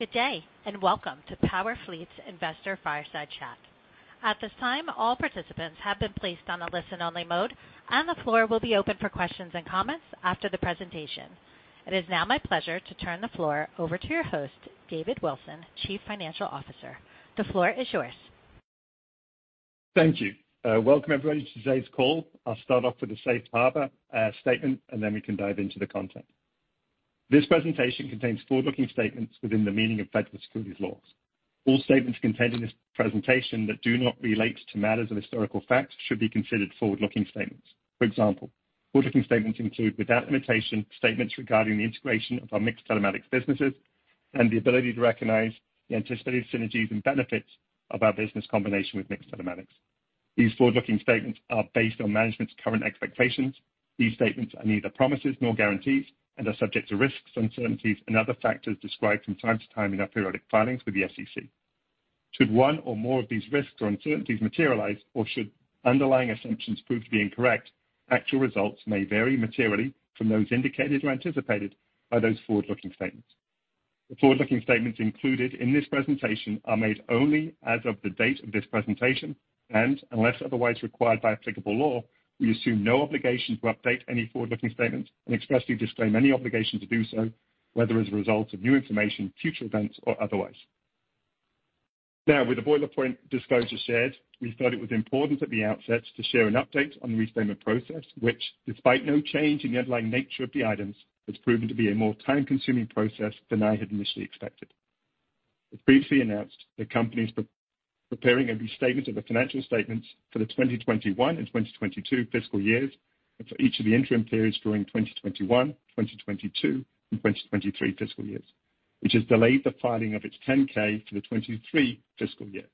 Good day, and welcome to Powerfleet's Investor Fireside Chat. At this time, all participants have been placed on a listen-only mode, and the floor will be open for questions and comments after the presentation. It is now my pleasure to turn the floor over to your host, David Wilson, Chief Financial Officer. The floor is yours. Thank you. Welcome, everybody, to today's call. I'll start off with a safe harbor statement, and then we can dive into the content. This presentation contains forward-looking statements within the meaning of federal securities laws. All statements contained in this presentation that do not relate to matters of historical fact should be considered forward-looking statements. For example, forward-looking statements include, without limitation, statements regarding the integration of our MiX Telematics businesses and the ability to recognize the anticipated synergies and benefits of our business combination with MiX Telematics. These forward-looking statements are based on management's current expectations. These statements are neither promises nor guarantees and are subject to risks, uncertainties, and other factors described from time to time in our periodic filings with the SEC. Should one or more of these risks or uncertainties materialize, or should underlying assumptions prove to be incorrect, actual results may vary materially from those indicated or anticipated by those forward-looking statements. The forward-looking statements included in this presentation are made only as of the date of this presentation, and unless otherwise required by applicable law, we assume no obligation to update any forward-looking statements and expressly disclaim any obligation to do so, whether as a result of new information, future events, or otherwise. Now, with the boilerplate disclosure shared, we thought it was important at the outset to share an update on the restatement process, which, despite no change in the underlying nature of the items, has proven to be a more time-consuming process than I had initially expected. As previously announced, the company is preparing a restatement of the financial statements for the 2021 and 2022 fiscal years, and for each of the interim periods during 2021, 2022, and 2023 fiscal years, which has delayed the filing of its 10-K for the 2023 fiscal year.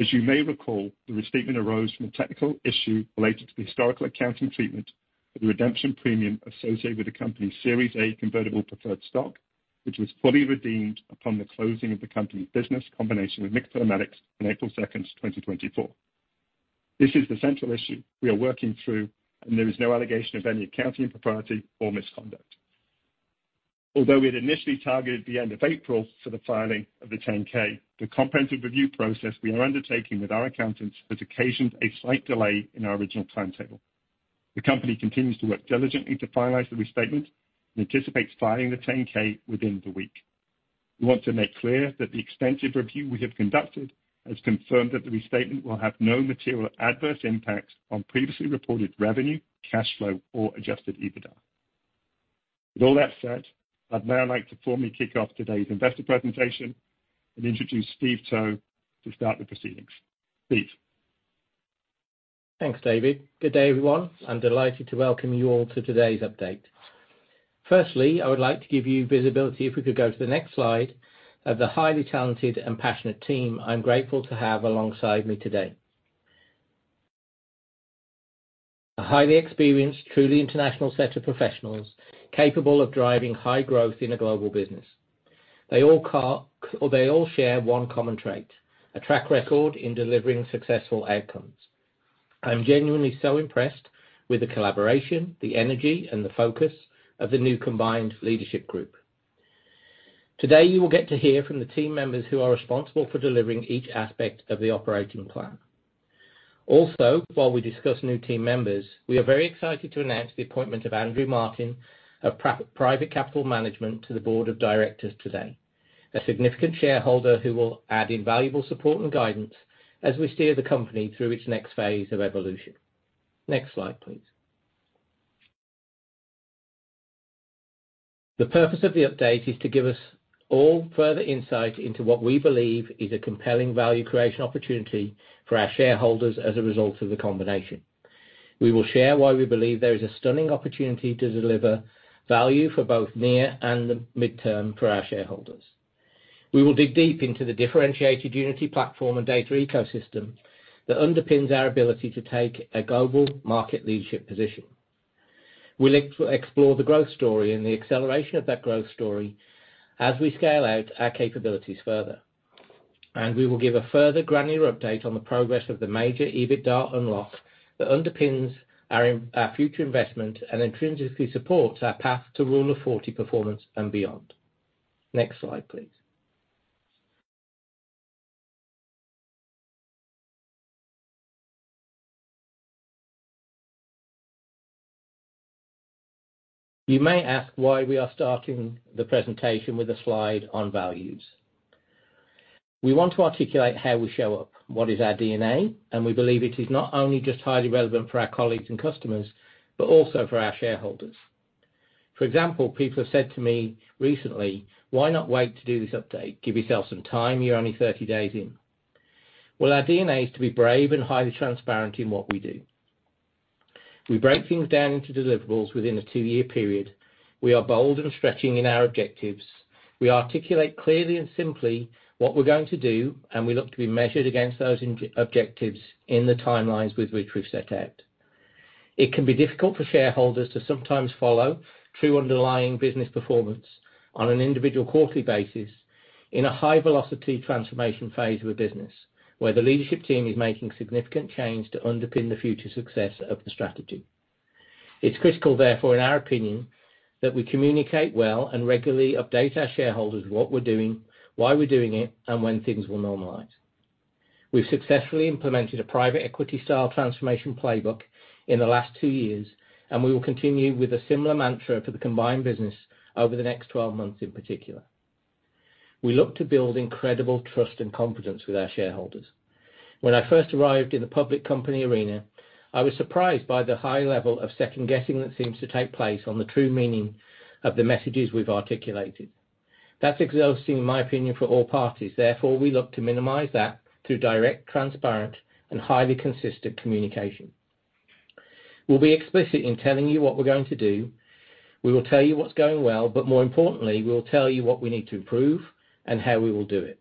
As you may recall, the restatement arose from a technical issue related to the historical accounting treatment of the redemption premium associated with the company's Series A convertible preferred stock, which was fully redeemed upon the closing of the company's business combination with MiX Telematics on April 2, 2024. This is the central issue we are working through, and there is no allegation of any accounting impropriety or misconduct. Although we had initially targeted the end of April for the filing of the 10-K, the comprehensive review process we are undertaking with our accountants has occasioned a slight delay in our original timetable. The company continues to work diligently to finalize the restatement and anticipates filing the 10-K within the week. We want to make clear that the extensive review we have conducted has confirmed that the restatement will have no material adverse impacts on previously reported revenue, cash flow, or adjusted EBITDA. With all that said, I'd now like to formally kick off today's investor presentation and introduce Steve Towe to start the proceedings. Steve? Thanks, David. Good day, everyone. I'm delighted to welcome you all to today's update. Firstly, I would like to give you visibility, if we could go to the next slide, of the highly talented and passionate team I'm grateful to have alongside me today. A highly experienced, truly international set of professionals capable of driving high growth in a global business. They all or they all share one common trait, a track record in delivering successful outcomes. I'm genuinely so impressed with the collaboration, the energy, and the focus of the new combined leadership group. Today, you will get to hear from the team members who are responsible for delivering each aspect of the operating plan. Also, while we discuss new team members, we are very excited to announce the appointment of Andrew Martin of Private Capital Management to the board of directors today, a significant shareholder who will add invaluable support and guidance as we steer the company through its next phase of evolution. Next slide, please. The purpose of the update is to give us all further insight into what we believe is a compelling value creation opportunity for our shareholders as a result of the combination. We will share why we believe there is a stunning opportunity to deliver value for both near and the midterm for our shareholders. We will dig deep into the differentiated Unity platform and data ecosystem that underpins our ability to take a global market leadership position. We'll explore the growth story and the acceleration of that growth story as we scale out our capabilities further. We will give a further granular update on the progress of the major EBITDA unlock that underpins our future investment and intrinsically supports our path to Rule of 40 performance and beyond. Next slide, please. You may ask why we are starting the presentation with a slide on values. We want to articulate how we show up, what is our DNA, and we believe it is not only just highly relevant for our colleagues and customers, but also for our shareholders. For example, people have said to me recently: Why not wait to do this update? Give yourself some time. You're only 30 days in. Well, our DNA is to be brave and highly transparent in what we do. We break things down into deliverables within a 2-year period. We are bold and stretching in our objectives. We articulate clearly and simply what we're going to do, and we look to be measured against those objectives in the timelines with which we've set out. It can be difficult for shareholders to sometimes follow true underlying business performance on an individual quarterly basis in a high-velocity transformation phase of a business, where the leadership team is making significant change to underpin the future success of the strategy. It's critical, therefore, in our opinion, that we communicate well and regularly update our shareholders what we're doing, why we're doing it, and when things will normalize. We've successfully implemented a private equity style transformation playbook in the last two years, and we will continue with a similar mantra for the combined business over the next twelve months in particular. We look to build incredible trust and confidence with our shareholders. When I first arrived in the public company arena, I was surprised by the high level of second-guessing that seems to take place on the true meaning of the messages we've articulated. That's exhausting, in my opinion, for all parties, therefore, we look to minimize that through direct, transparent, and highly consistent communication. We'll be explicit in telling you what we're going to do. We will tell you what's going well, but more importantly, we will tell you what we need to improve and how we will do it.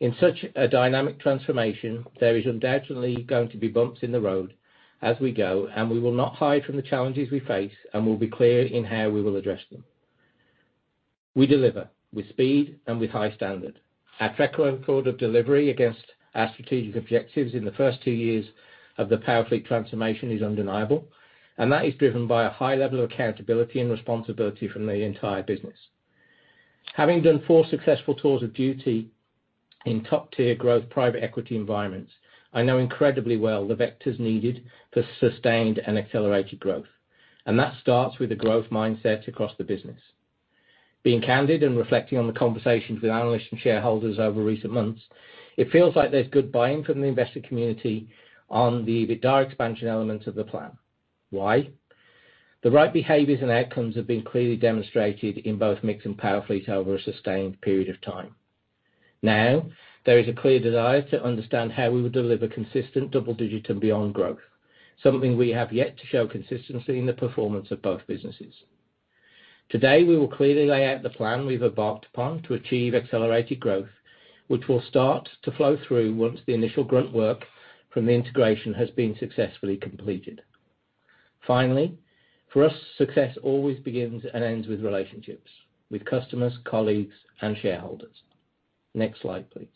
In such a dynamic transformation, there is undoubtedly going to be bumps in the road as we go, and we will not hide from the challenges we face, and we'll be clear in how we will address them. We deliver with speed and with high standard. Our track record of delivery against our strategic objectives in the first two years of the Powerfleet transformation is undeniable, and that is driven by a high level of accountability and responsibility from the entire business. Having done four successful tours of duty in top-tier growth, private equity environments, I know incredibly well the vectors needed for sustained and accelerated growth, and that starts with a growth mindset across the business. Being candid and reflecting on the conversations with analysts and shareholders over recent months, it feels like there's good buy-in from the invested community on the EBITDA expansion element of the plan. Why? The right behaviors and outcomes have been clearly demonstrated in both MiX and Powerfleet over a sustained period of time. Now, there is a clear desire to understand how we will deliver consistent double-digit and beyond growth, something we have yet to show consistency in the performance of both businesses. Today, we will clearly lay out the plan we've embarked upon to achieve accelerated growth, which will start to flow through once the initial grunt work from the integration has been successfully completed. Finally, for us, success always begins and ends with relationships, with customers, colleagues, and shareholders. Next slide, please.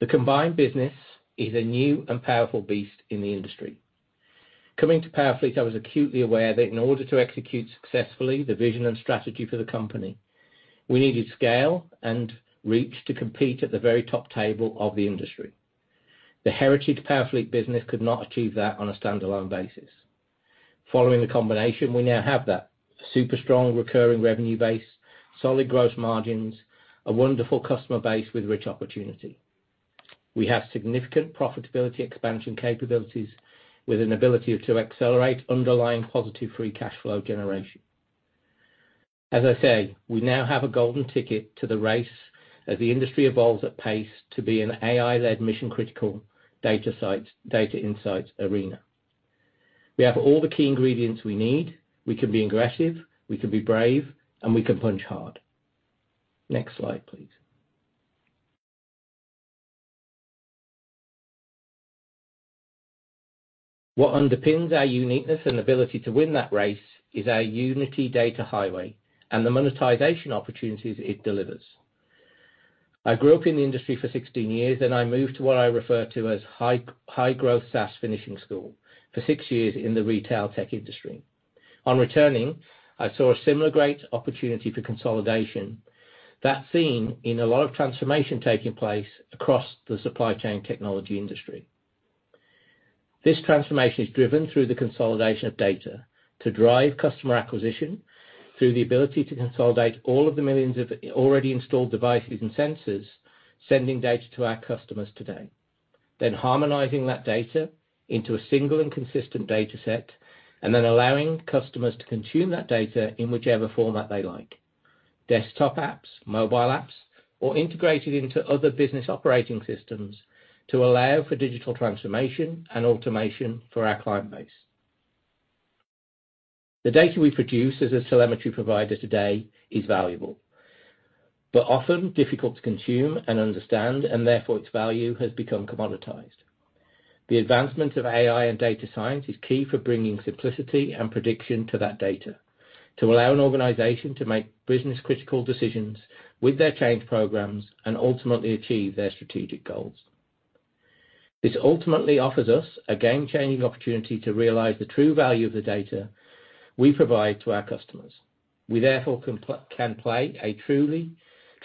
The combined business is a new and powerful beast in the industry. Coming to Powerfleet, I was acutely aware that in order to execute successfully the vision and strategy for the company, we needed scale and reach to compete at the very top table of the industry. The heritage Powerfleet business could not achieve that on a standalone basis. Following the combination, we now have that super strong recurring revenue base, solid gross margins, a wonderful customer base with rich opportunity. We have significant profitability expansion capabilities with an ability to accelerate underlying positive free cash flow generation. As I say, we now have a golden ticket to the race as the industry evolves at pace to be an AI-led, mission-critical data site, data insights arena. We have all the key ingredients we need. We can be aggressive, we can be brave, and we can punch hard. Next slide, please. What underpins our uniqueness and ability to win that race is our Unity data highway and the monetization opportunities it delivers. I grew up in the industry for 16 years, then I moved to what I refer to as high, high-growth SaaS finishing school for six years in the retail tech industry. On returning, I saw a similar great opportunity for consolidation, that theme in a lot of transformation taking place across the supply chain technology industry. This transformation is driven through the consolidation of data to drive customer acquisition through the ability to consolidate all of the millions of already installed devices and sensors, sending data to our customers today. Then harmonizing that data into a single and consistent data set, and then allowing customers to consume that data in whichever format they like. Desktop apps, mobile apps, or integrated into other business operating systems to allow for digital transformation and automation for our client base. The data we produce as a telemetry provider today is valuable, but often difficult to consume and understand, and therefore, its value has become commoditized. The advancement of AI and data science is key for bringing simplicity and prediction to that data, to allow an organization to make business critical decisions with their change programs and ultimately achieve their strategic goals. This ultimately offers us a game-changing opportunity to realize the true value of the data we provide to our customers. We therefore can play a truly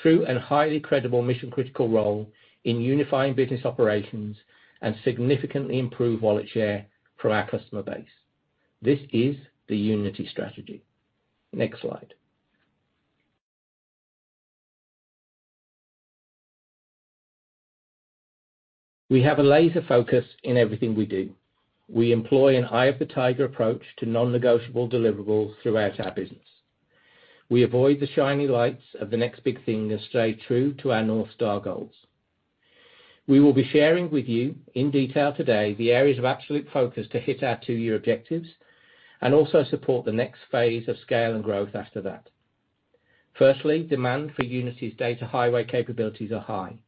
true and highly credible mission critical role in unifying business operations and significantly improve wallet share from our customer base. This is the Unity strategy. Next slide. We have a laser focus in everything we do. We employ an eye of the tiger approach to non-negotiable deliverables throughout our business. We avoid the shiny lights of the next big thing and stay true to our North Star goals. We will be sharing with you in detail today, the areas of absolute focus to hit our two-year objectives and also support the next phase of scale and growth after that. Firstly, demand for Unity's data highway capabilities are high.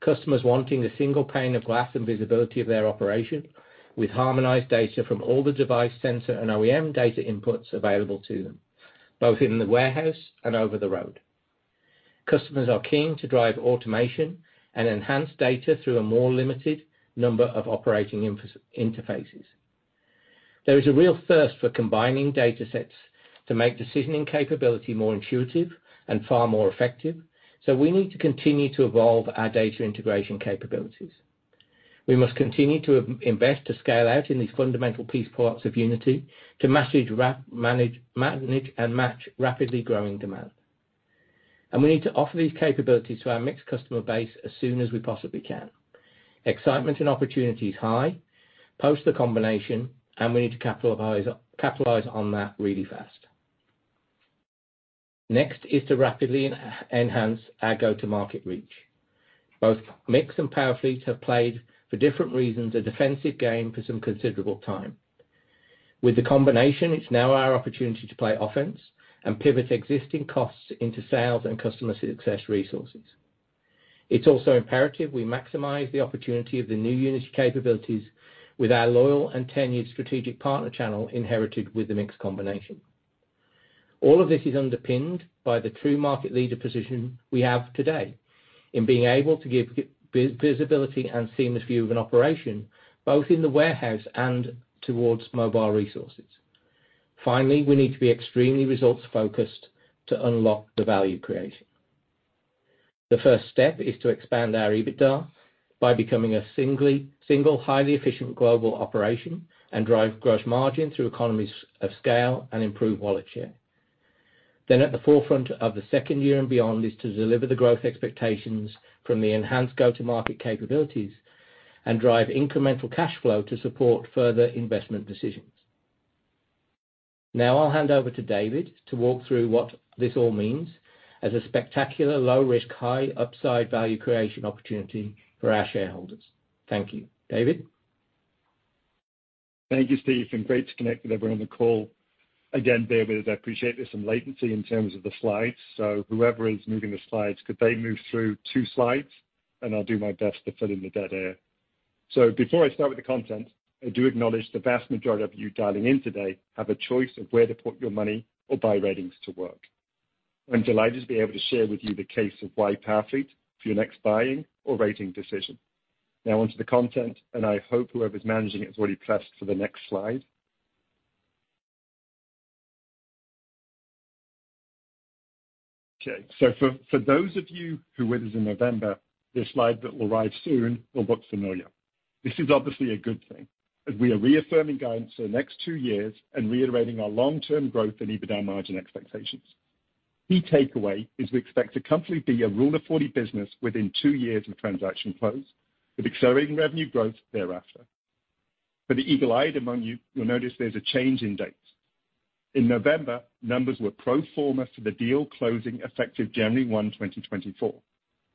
Customers wanting a single pane of glass and visibility of their operation with harmonized data from all the device, sensor, and OEM data inputs available to them, both in the warehouse and over the road. Customers are keen to drive automation and enhance data through a more limited number of operating interfaces. There is a real thirst for combining data sets to make decisioning capability more intuitive and far more effective, so we need to continue to evolve our data integration capabilities. We must continue to invest, to scale out in these fundamental piece parts of Unity, to manage and match rapidly growing demand. We need to offer these capabilities to our MiX customer base as soon as we possibly can. Excitement and opportunity is high post the combination, and we need to capitalize on that really fast. Next is to rapidly enhance our go-to-market reach. Both MiX and Powerfleet have played, for different reasons, a defensive game for some considerable time. With the combination, it's now our opportunity to play offense and pivot existing costs into sales and customer success resources. It's also imperative we maximize the opportunity of the new Unity capabilities with our loyal and tenured strategic partner channel, inherited with the MiX combination. All of this is underpinned by the true market leader position we have today in being able to give visibility and seamless view of an operation, both in the warehouse and towards mobile resources. Finally, we need to be extremely results-focused to unlock the value creation. The first step is to expand our EBITDA by becoming a single, highly efficient global operation, and drive gross margin through economies of scale and improve wallet share. Then, at the forefront of the second year and beyond, is to deliver the growth expectations from the enhanced go-to-market capabilities and drive incremental cash flow to support further investment decisions. Now I'll hand over to David to walk through what this all means as a spectacular, low risk, high upside value creation opportunity for our shareholders. Thank you. David? Thank you, Steve, and great to connect with everyone on the call. Again, bear with us. I appreciate there's some latency in terms of the slides, so whoever is moving the slides, could they move through two slides, and I'll do my best to fill in the dead air. Before I start with the content, I do acknowledge the vast majority of you dialing in today have a choice of where to put your money or buy ratings to work. I'm delighted to be able to share with you the case of why Powerfleet for your next buying or rating decision. Now onto the content, and I hope whoever's managing it has already pressed for the next slide. Okay, for, for those of you who were with us in November, this slide that will arrive soon will look familiar. This is obviously a good thing, as we are reaffirming guidance for the next two years and reiterating our long-term growth and EBITDA margin expectations. Key takeaway is we expect to comfortably be a Rule of Forty business within two years of transaction close, with accelerating revenue growth thereafter. For the eagle-eyed among you, you'll notice there's a change in date. In November, numbers were pro forma to the deal closing effective January 1, 2024,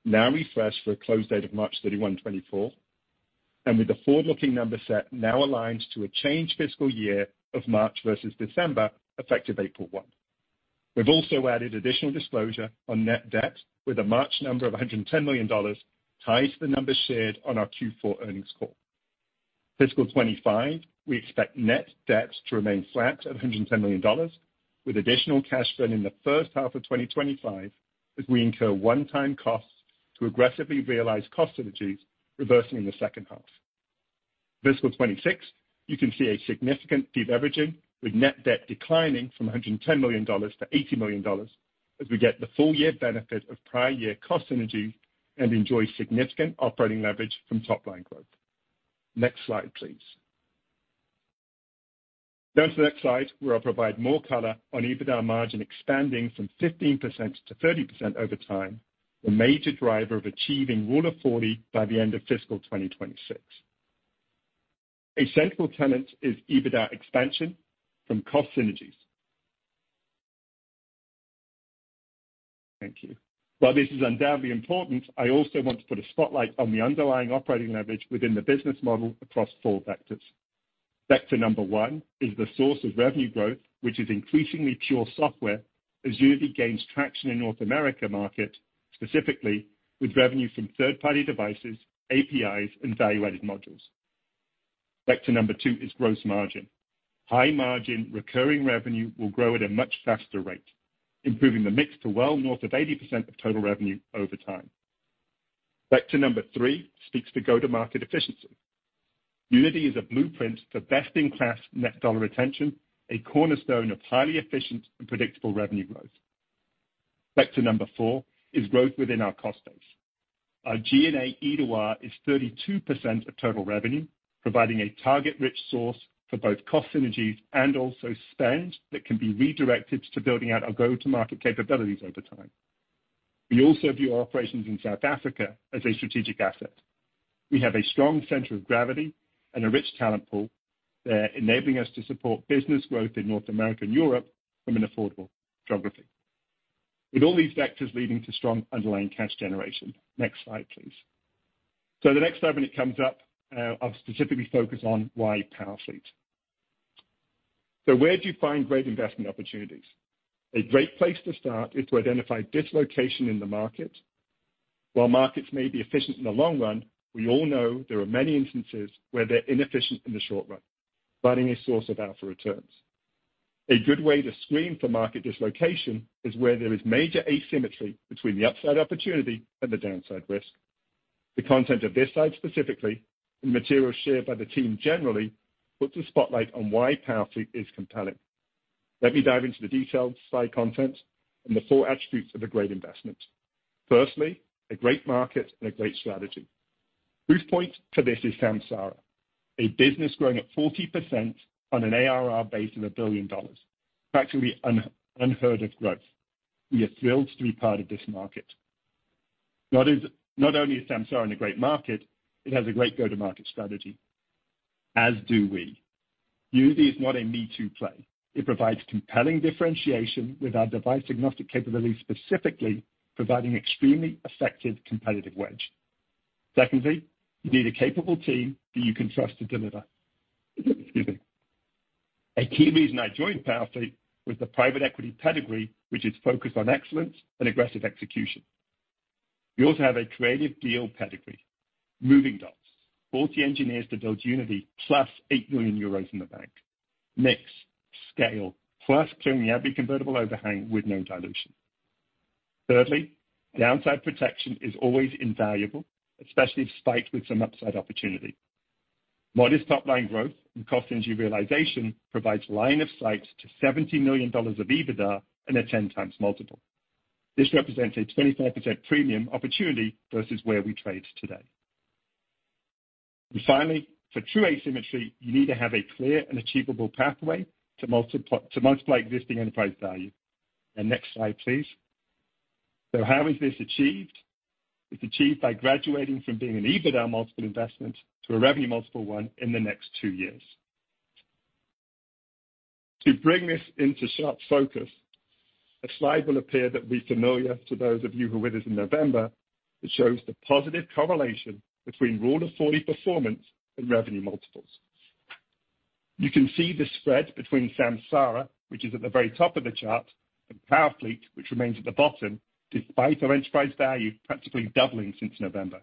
now refreshed for a close date of March 31, 2024, and with the forward-looking number set now aligned to a changed fiscal year of March versus December, effective April 1. We've also added additional disclosure on net debt, with a March number of $110 million, tied to the numbers shared on our Q4 earnings call. Fiscal 2025, we expect net debt to remain flat at $110 million, with additional cash burn in the first half of 2025, as we incur one-time costs to aggressively realize cost synergies, reversing in the second half. Fiscal 2026, you can see a significant deleveraging, with net debt declining from $110 million to $80 million as we get the full year benefit of prior year cost synergies and enjoy significant operating leverage from top line growth. Next slide, please. Go to the next slide, where I'll provide more color on EBITDA margin expanding from 15%-30% over time, the major driver of achieving Rule of Forty by the end of fiscal 2026. A central tenet is EBITDA expansion from cost synergies. Thank you. While this is undoubtedly important, I also want to put a spotlight on the underlying operating leverage within the business model across four vectors. Vector number one is the source of revenue growth, which is increasingly pure software as Unity gains traction in North America market, specifically with revenue from third-party devices, APIs, and value-added modules. Vector number two is gross margin. High margin, recurring revenue will grow at a much faster rate, improving the mix to well north of 80% of total revenue over time. Vector number three speaks to go-to-market efficiency. Unity is a blueprint for best-in-class net dollar retention, a cornerstone of highly efficient and predictable revenue growth. Vector number four is growth within our cost base. Our G&A EBITDA is 32% of total revenue, providing a target-rich source for both cost synergies and also spend that can be redirected to building out our go-to-market capabilities over time. We also view our operations in South Africa as a strategic asset. We have a strong center of gravity and a rich talent pool there, enabling us to support business growth in North America and Europe from an affordable geography. With all these vectors leading to strong underlying cash generation. Next slide, please. So the next time when it comes up, I'll specifically focus on why Powerfleet. So where do you find great investment opportunities? A great place to start is to identify dislocation in the market.... While markets may be efficient in the long run, we all know there are many instances where they're inefficient in the short run, providing a source of alpha returns. A good way to screen for market dislocation is where there is major asymmetry between the upside opportunity and the downside risk. The content of this slide, specifically, and material shared by the team generally, puts a spotlight on why Powerfleet is compelling. Let me dive into the detailed slide content and the four attributes of a great investment. Firstly, a great market and a great strategy. Proof point to this is Samsara, a business growing at 40% on an ARR base of $1 billion, practically unheard of growth. We are thrilled to be part of this market. Not only is Samsara in a great market, it has a great go-to-market strategy, as do we. Unity is not a me-too play. It provides compelling differentiation with our device-agnostic capabilities, specifically providing extremely effective competitive wedge. Secondly, you need a capable team that you can trust to deliver. Excuse me. A key reason I joined Powerfleet was the private equity pedigree, which is focused on excellence and aggressive execution. We also have a creative deal pedigree. Movingdots, 40 engineers to build Unity, plus 8 million euros in the bank. Mix, scale, plus clearing out every convertible overhang with no dilution. Thirdly, downside protection is always invaluable, especially spiked with some upside opportunity. Modest top-line growth and cost synergy realization provides line of sight to $70 million of EBITDA and a 10x multiple. This represents a 24% premium opportunity versus where we trade today. And finally, for true asymmetry, you need to have a clear and achievable pathway to multiply existing enterprise value. And next slide, please. So how is this achieved? It's achieved by graduating from being an EBITDA multiple investment to a revenue multiple one in the next two years. To bring this into sharp focus, a slide will appear that will be familiar to those of you who were with us in November, that shows the positive correlation between Rule of Forty performance and revenue multiples. You can see the spread between Samsara, which is at the very top of the chart, and Powerfleet, which remains at the bottom, despite our enterprise value practically doubling since November.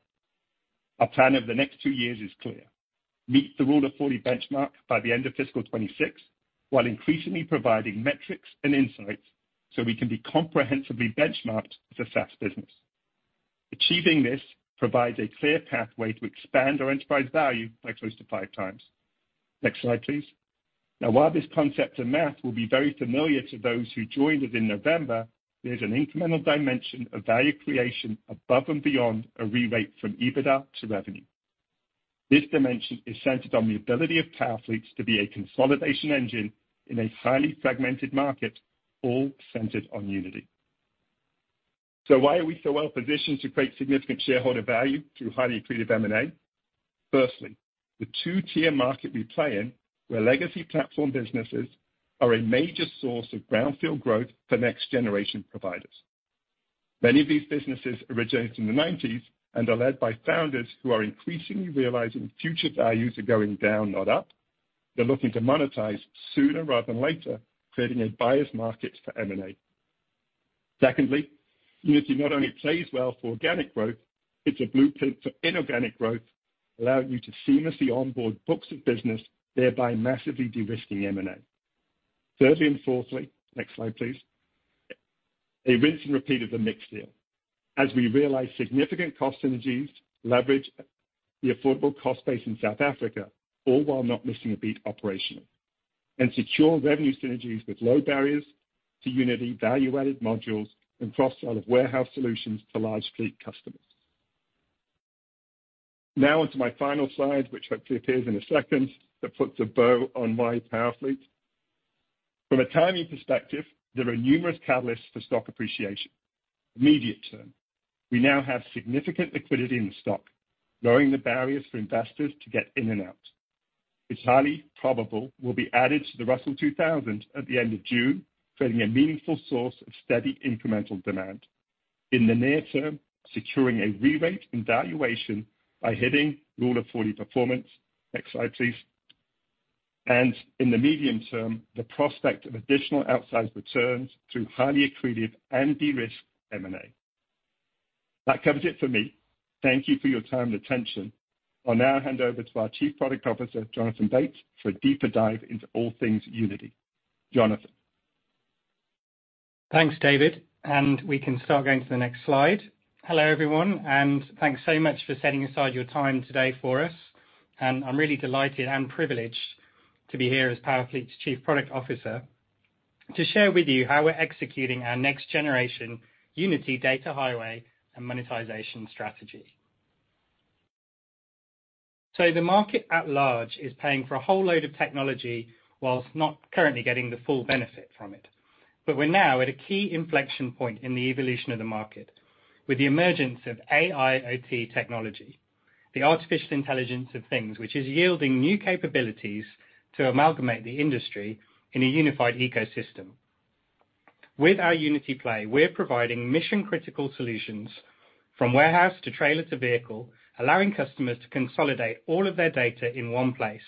Our plan over the next two years is clear: meet the Rule of Forty benchmark by the end of fiscal 2026, while increasingly providing metrics and insights, so we can be comprehensively benchmarked as a SaaS business. Achieving this provides a clear pathway to expand our enterprise value by close to 5x. Next slide, please. Now, while this concept and math will be very familiar to those who joined us in November, there's an incremental dimension of value creation above and beyond a rerate from EBITDA to revenue. This dimension is centered on the ability of Powerfleet to be a consolidation engine in a highly fragmented market, all centered on Unity. So why are we so well positioned to create significant shareholder value through highly accretive M&A? Firstly, the two-tier market we play in, where legacy platform businesses are a major source of brownfield growth for next-generation providers. Many of these businesses originated in the nineties and are led by founders who are increasingly realizing future values are going down, not up. They're looking to monetize sooner rather than later, creating a biased market for M&A. Secondly, Unity not only plays well for organic growth, it's a blueprint for inorganic growth, allowing you to seamlessly onboard books of business, thereby massively de-risking M&A. Thirdly and fourthly, next slide, please. A rinse and repeat of the MiX deal. As we realize, significant cost synergies leverage the affordable cost base in South Africa, all while not missing a beat operationally. And secure revenue synergies with low barriers to Unity value-added modules and cross-sell of warehouse solutions to large fleet customers. Now onto my final slide, which hopefully appears in a second, that puts a bow on why Powerfleet. From a timing perspective, there are numerous catalysts for stock appreciation. Immediate term, we now have significant liquidity in the stock, lowering the barriers for investors to get in and out. It's highly probable we'll be added to the Russell 2000 at the end of June, creating a meaningful source of steady incremental demand. In the near term, securing a re-rate and valuation by hitting Rule of Forty performance. Next slide, please. And in the medium term, the prospect of additional outsized returns through highly accretive and de-risked M&A. That covers it for me. Thank you for your time and attention. I'll now hand over to our Chief Product Officer, Jonathan Bates, for a deeper dive into all things Unity. Jonathan? Thanks, David, and we can start going to the next slide. Hello, everyone, and thanks so much for setting aside your time today for us. I'm really delighted and privileged to be here as Powerfleet's Chief Product Officer, to share with you how we're executing our next generation Unity data highway and monetization strategy. The market at large is paying for a whole load of technology while not currently getting the full benefit from it. We're now at a key inflection point in the evolution of the market with the emergence of AIoT technology, the artificial intelligence of things, which is yielding new capabilities to amalgamate the industry in a unified ecosystem. With our Unity play, we're providing mission-critical solutions, from warehouse to trailer to vehicle, allowing customers to consolidate all of their data in one place....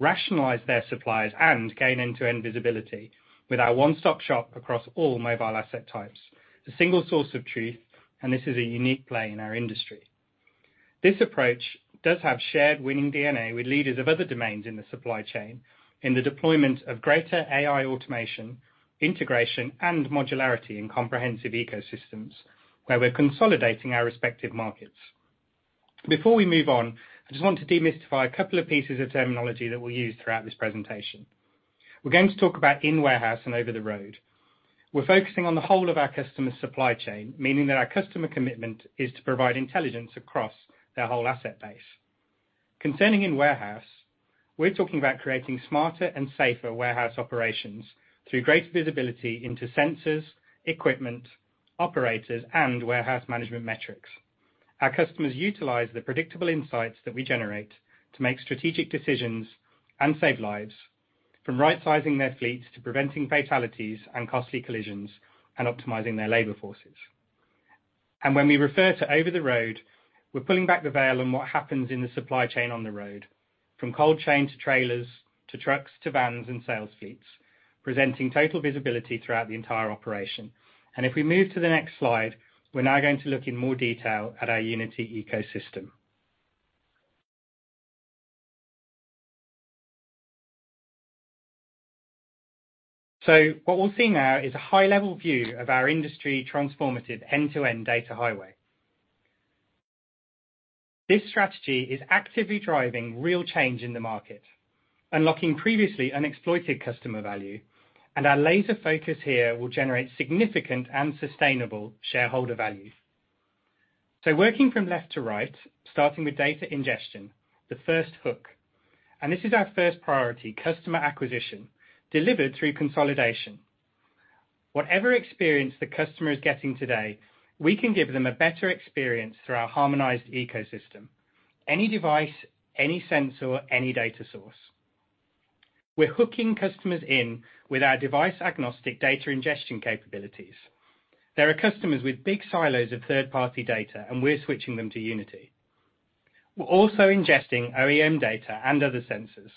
Rationalize their suppliers and gain end-to-end visibility with our one-stop shop across all mobile asset types, a single source of truth, and this is a unique play in our industry. This approach does have shared winning DNA with leaders of other domains in the supply chain in the deployment of greater AI automation, integration, and modularity in comprehensive ecosystems, where we're consolidating our respective markets. Before we move on, I just want to demystify a couple of pieces of terminology that we'll use throughout this presentation. We're going to talk about in-warehouse and over-the-road. We're focusing on the whole of our customer's supply chain, meaning that our customer commitment is to provide intelligence across their whole asset base. Concerning in-warehouse, we're talking about creating smarter and safer warehouse operations through greater visibility into sensors, equipment, operators, and warehouse management metrics. Our customers utilize the predictable insights that we generate to make strategic decisions and save lives, from right-sizing their fleets to preventing fatalities and costly collisions, and optimizing their labor forces. When we refer to over-the-road, we're pulling back the veil on what happens in the supply chain on the road, from cold chain, to trailers, to trucks, to vans, and sales fleets, presenting total visibility throughout the entire operation. If we move to the next slide, we're now going to look in more detail at our Unity ecosystem. What we'll see now is a high-level view of our industry transformative end-to-end data highway. This strategy is actively driving real change in the market, unlocking previously unexploited customer value, and our laser focus here will generate significant and sustainable shareholder value. So working from left to right, starting with data ingestion, the first hook, and this is our first priority, customer acquisition, delivered through consolidation. Whatever experience the customer is getting today, we can give them a better experience through our harmonized ecosystem. Any device, any sensor, any data source. We're hooking customers in with our device-agnostic data ingestion capabilities. There are customers with big silos of third-party data, and we're switching them to Unity. We're also ingesting OEM data and other sensors.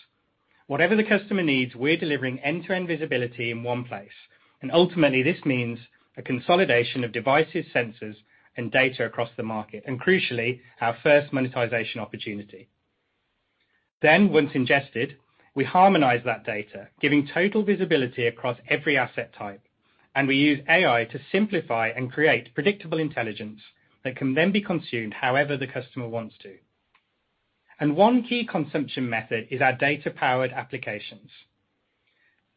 Whatever the customer needs, we're delivering end-to-end visibility in one place, and ultimately, this means a consolidation of devices, sensors, and data across the market, and crucially, our first monetization opportunity. Then, once ingested, we harmonize that data, giving total visibility across every asset type, and we use AI to simplify and create predictable intelligence that can then be consumed however the customer wants to. One key consumption method is our data-powered applications.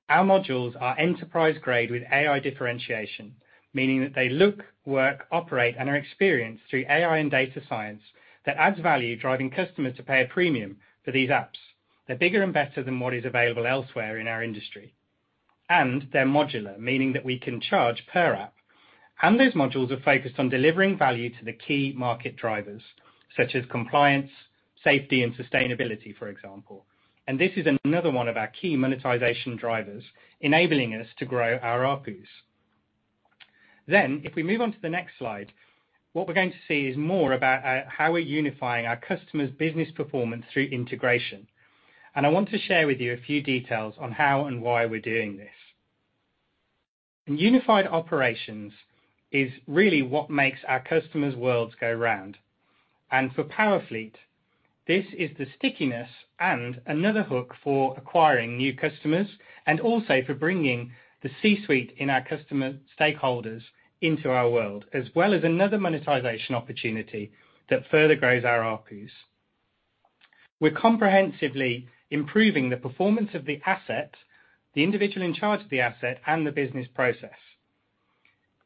Our modules are enterprise-grade with AI differentiation, meaning that they look, work, operate, and are experienced through AI and data science that adds value, driving customers to pay a premium for these apps. They're bigger and better than what is available elsewhere in our industry. They're modular, meaning that we can charge per app. Those modules are focused on delivering value to the key market drivers, such as compliance, safety, and sustainability, for example. This is another one of our key monetization drivers, enabling us to grow our ARPUs. If we move on to the next slide, what we're going to see is more about how we're unifying our customers' business performance through integration. I want to share with you a few details on how and why we're doing this. Unified operations is really what makes our customers' worlds go round. For Powerfleet, this is the stickiness and another hook for acquiring new customers, and also for bringing the C-suite in our customer stakeholders into our world, as well as another monetization opportunity that further grows our ARPUs. We're comprehensively improving the performance of the asset, the individual in charge of the asset, and the business process.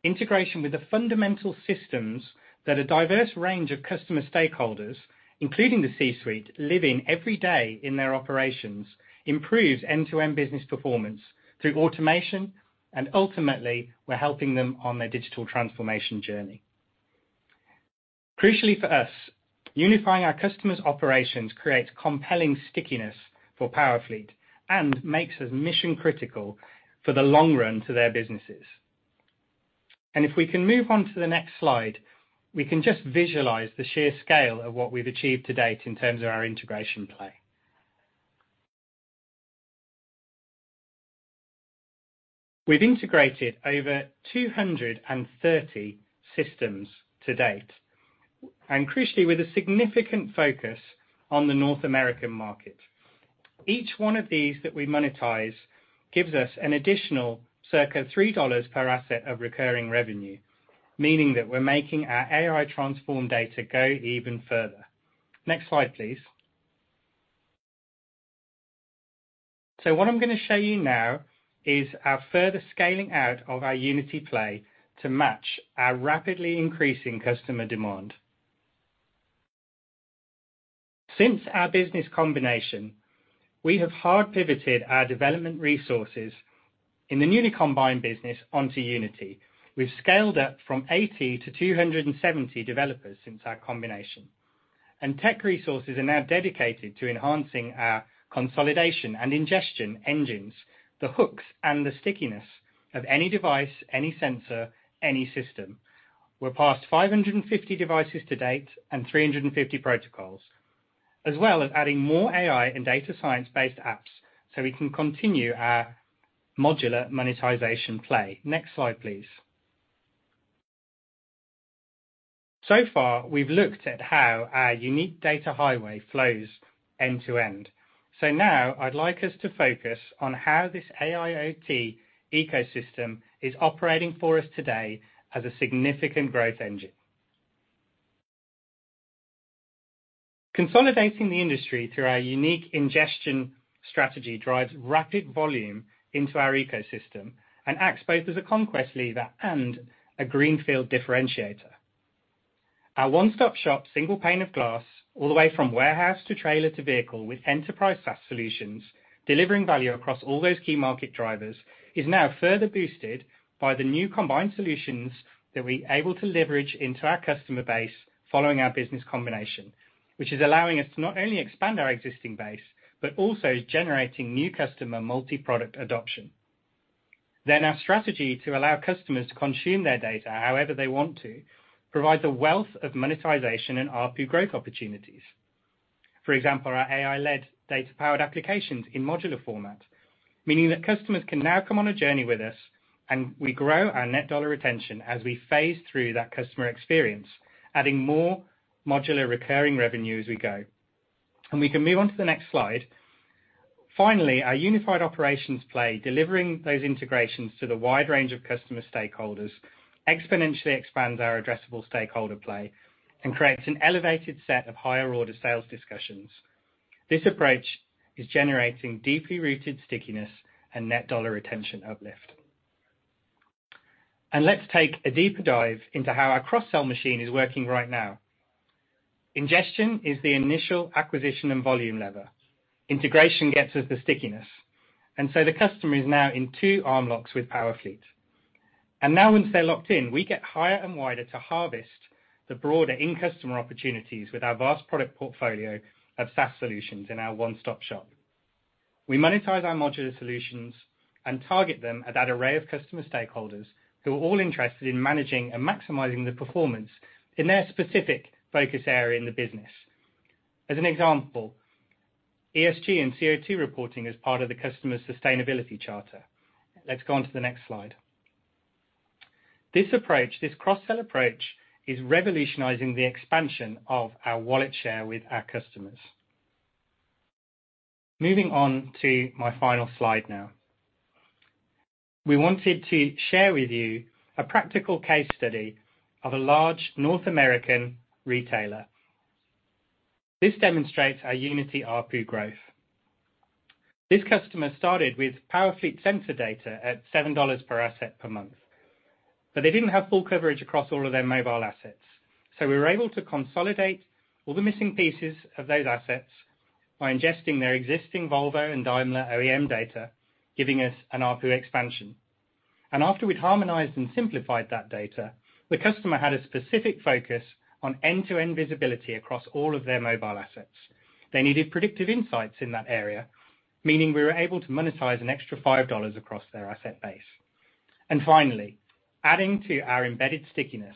Integration with the fundamental systems that a diverse range of customer stakeholders, including the C-suite, live in every day in their operations, improves end-to-end business performance through automation, and ultimately, we're helping them on their digital transformation journey. Crucially for us, unifying our customers' operations creates compelling stickiness for Powerfleet and makes us mission-critical for the long run to their businesses. If we can move on to the next slide, we can just visualize the sheer scale of what we've achieved to date in terms of our integration play. We've integrated over 230 systems to date, and crucially, with a significant focus on the North American market. Each one of these that we monetize gives us an additional circa $3 per asset of recurring revenue, meaning that we're making our AI transform data go even further. Next slide, please. What I'm gonna show you now is our further scaling out of our Unity play to match our rapidly increasing customer demand. Since our business combination, we have hard pivoted our development resources in the newly combined business onto Unity. We've scaled up from 80-270 developers since our combination. And tech resources are now dedicated to enhancing our consolidation and ingestion engines, the hooks and the stickiness... of any device, any sensor, any system. We're past 550 devices to date and 350 protocols, as well as adding more AI and data science-based apps, so we can continue our modular monetization play. Next slide, please. So far, we've looked at how our unique data highway flows end to end. So now I'd like us to focus on how this AIoT ecosystem is operating for us today as a significant growth engine. Consolidating the industry through our unique ingestion strategy drives rapid volume into our ecosystem and acts both as a conquest lever and a greenfield differentiator. Our one-stop-shop, single pane of glass, all the way from warehouse to trailer to vehicle, with enterprise SaaS solutions, delivering value across all those key market drivers, is now further boosted by the new combined solutions that we're able to leverage into our customer base following our business combination. Which is allowing us to not only expand our existing base, but also generating new customer multi-product adoption. Our strategy to allow customers to consume their data however they want to provides a wealth of monetization and ARPU growth opportunities. For example, our AI-led, data-powered applications in modular format, meaning that customers can now come on a journey with us, and we grow our net dollar retention as we phase through that customer experience, adding more modular recurring revenue as we go. We can move on to the next slide. Finally, our unified operations play, delivering those integrations to the wide range of customer stakeholders, exponentially expands our addressable stakeholder play and creates an elevated set of higher-order sales discussions. This approach is generating deeply rooted stickiness and net dollar retention uplift. Let's take a deeper dive into how our cross-sell machine is working right now. Ingestion is the initial acquisition and volume lever. Integration gets us the stickiness, and so the customer is now in two arm locks with Powerfleet. Now, once they're locked in, we get higher and wider to harvest the broader in-customer opportunities with our vast product portfolio of SaaS solutions in our one-stop shop. We monetize our modular solutions and target them at that array of customer stakeholders, who are all interested in managing and maximizing the performance in their specific focus area in the business. As an example, ESG and CO2 reporting as part of the customer's sustainability charter. Let's go on to the next slide. This approach, this cross-sell approach, is revolutionizing the expansion of our wallet share with our customers. Moving on to my final slide now. We wanted to share with you a practical case study of a large North American retailer. This demonstrates our Unity ARPU growth. This customer started with Powerfleet sensor data at $7 per asset per month, but they didn't have full coverage across all of their mobile assets. So we were able to consolidate all the missing pieces of those assets by ingesting their existing Volvo and Daimler OEM data, giving us an ARPU expansion. And after we'd harmonized and simplified that data, the customer had a specific focus on end-to-end visibility across all of their mobile assets. They needed predictive insights in that area, meaning we were able to monetize an extra $5 across their asset base. Finally, adding to our embedded stickiness,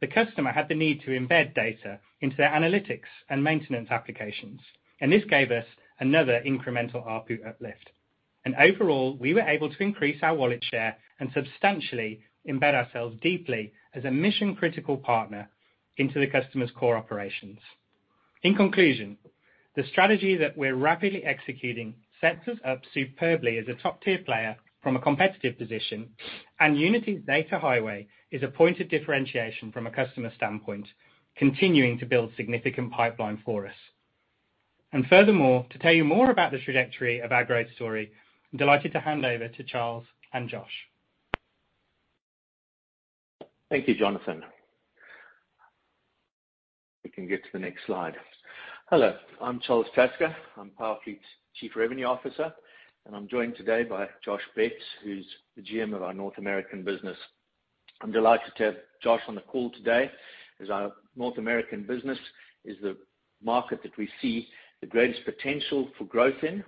the customer had the need to embed data into their analytics and maintenance applications, and this gave us another incremental ARPU uplift. Overall, we were able to increase our wallet share and substantially embed ourselves deeply as a mission-critical partner into the customer's core operations. In conclusion, the strategy that we're rapidly executing sets us up superbly as a top-tier player from a competitive position, and Unity's data highway is a point of differentiation from a customer standpoint, continuing to build significant pipeline for us. Furthermore, to tell you more about the trajectory of our growth story, I'm delighted to hand over to Charles and Josh. Thank you, Jonathan. We can get to the next slide. Hello, I'm Charles Tasker. I'm Powerfleet's Chief Revenue Officer, and I'm joined today by Josh Betz, who's the GM of our North American business. I'm delighted to have Josh on the call today, as our North American business is the market that we see the greatest potential for growth in,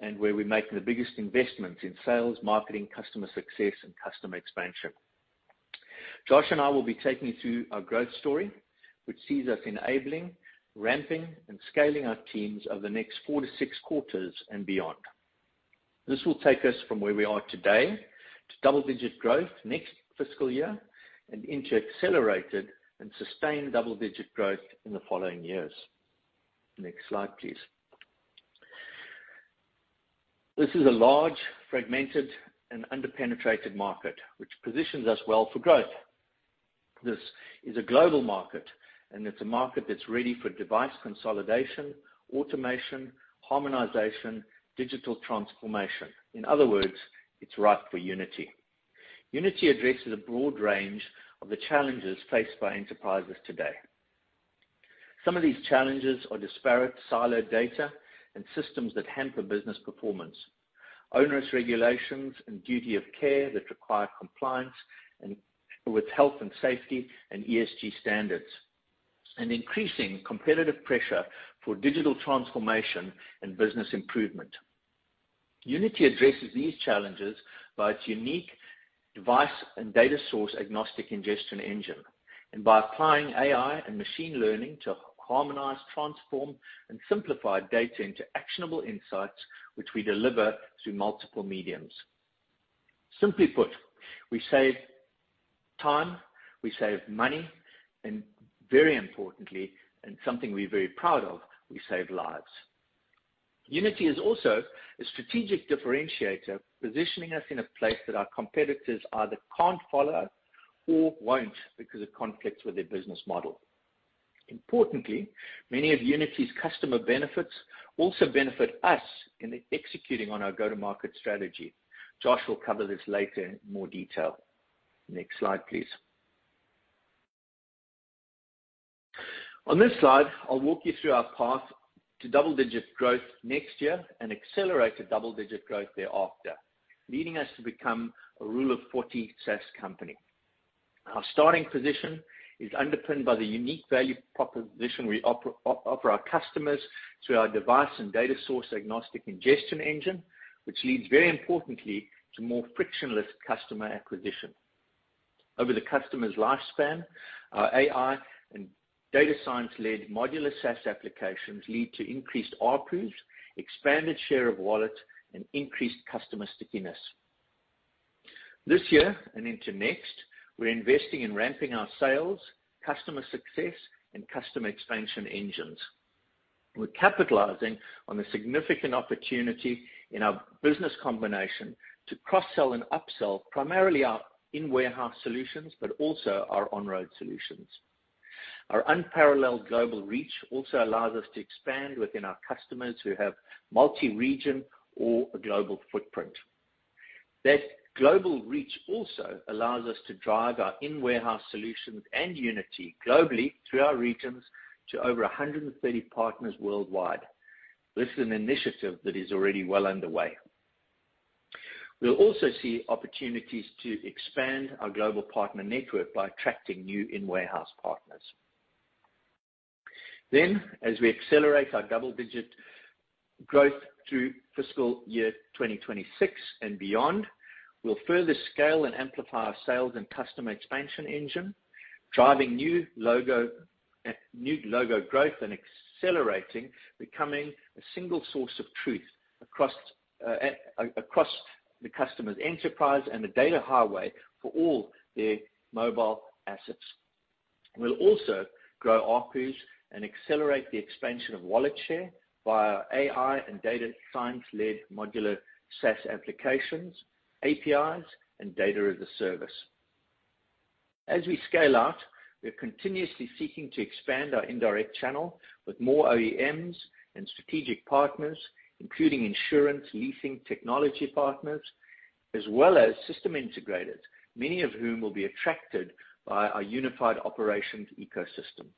and where we're making the biggest investments in sales, marketing, customer success, and customer expansion. Josh and I will be taking you through our growth story, which sees us enabling, ramping, and scaling our teams over the next 4-6 quarters and beyond. This will take us from where we are today to double-digit growth next fiscal year and into accelerated and sustained double-digit growth in the following years. Next slide, please. This is a large, fragmented, and underpenetrated market, which positions us well for growth. This is a global market, and it's a market that's ready for device consolidation, automation, harmonization, digital transformation. In other words, it's right for Unity. Unity addresses a broad range of the challenges faced by enterprises today. Some of these challenges are disparate siloed data and systems that hamper business performance, onerous regulations and duty of care that require compliance and with health and safety and ESG standards... and increasing competitive pressure for digital transformation and business improvement. Unity addresses these challenges by its unique device and data source agnostic ingestion engine, and by applying AI and machine learning to harmonize, transform, and simplify data into actionable insights, which we deliver through multiple mediums. Simply put, we save time, we save money, and very importantly, and something we're very proud of, we save lives. Unity is also a strategic differentiator, positioning us in a place that our competitors either can't follow or won't because it conflicts with their business model. Importantly, many of Unity's customer benefits also benefit us in executing on our go-to-market strategy. Josh will cover this later in more detail. Next slide, please. On this slide, I'll walk you through our path to double-digit growth next year and accelerated double-digit growth thereafter, leading us to become a Rule of Forty SaaS company. Our starting position is underpinned by the unique value proposition we offer, offer our customers through our device and data source, agnostic ingestion engine, which leads very importantly to more frictionless customer acquisition. Over the customer's lifespan, our AI and data science-led modular SaaS applications lead to increased ARPUs, expanded share of wallet, and increased customer stickiness. This year and into next, we're investing in ramping our sales, customer success, and customer expansion engines. We're capitalizing on the significant opportunity in our business combination to cross-sell and upsell, primarily our in-warehouse solutions, but also our on-road solutions. Our unparalleled global reach also allows us to expand within our customers who have multi-region or a global footprint. That global reach also allows us to drive our in-warehouse solutions and Unity globally through our regions to over 130 partners worldwide. This is an initiative that is already well underway. We'll also see opportunities to expand our global partner network by attracting new in-warehouse partners. Then, as we accelerate our double-digit growth through fiscal year 2026 and beyond, we'll further scale and amplify our sales and customer expansion engine, driving new logo growth and accelerating, becoming a single source of truth across the customer's enterprise and the data highway for all their mobile assets. We'll also grow ARPUs and accelerate the expansion of wallet share via AI and data science-led modular SaaS applications, APIs, and data as a service. As we scale out, we are continuously seeking to expand our indirect channel with more OEMs and strategic partners, including insurance, leasing, technology partners, as well as system integrators, many of whom will be attracted by our unified operations ecosystem.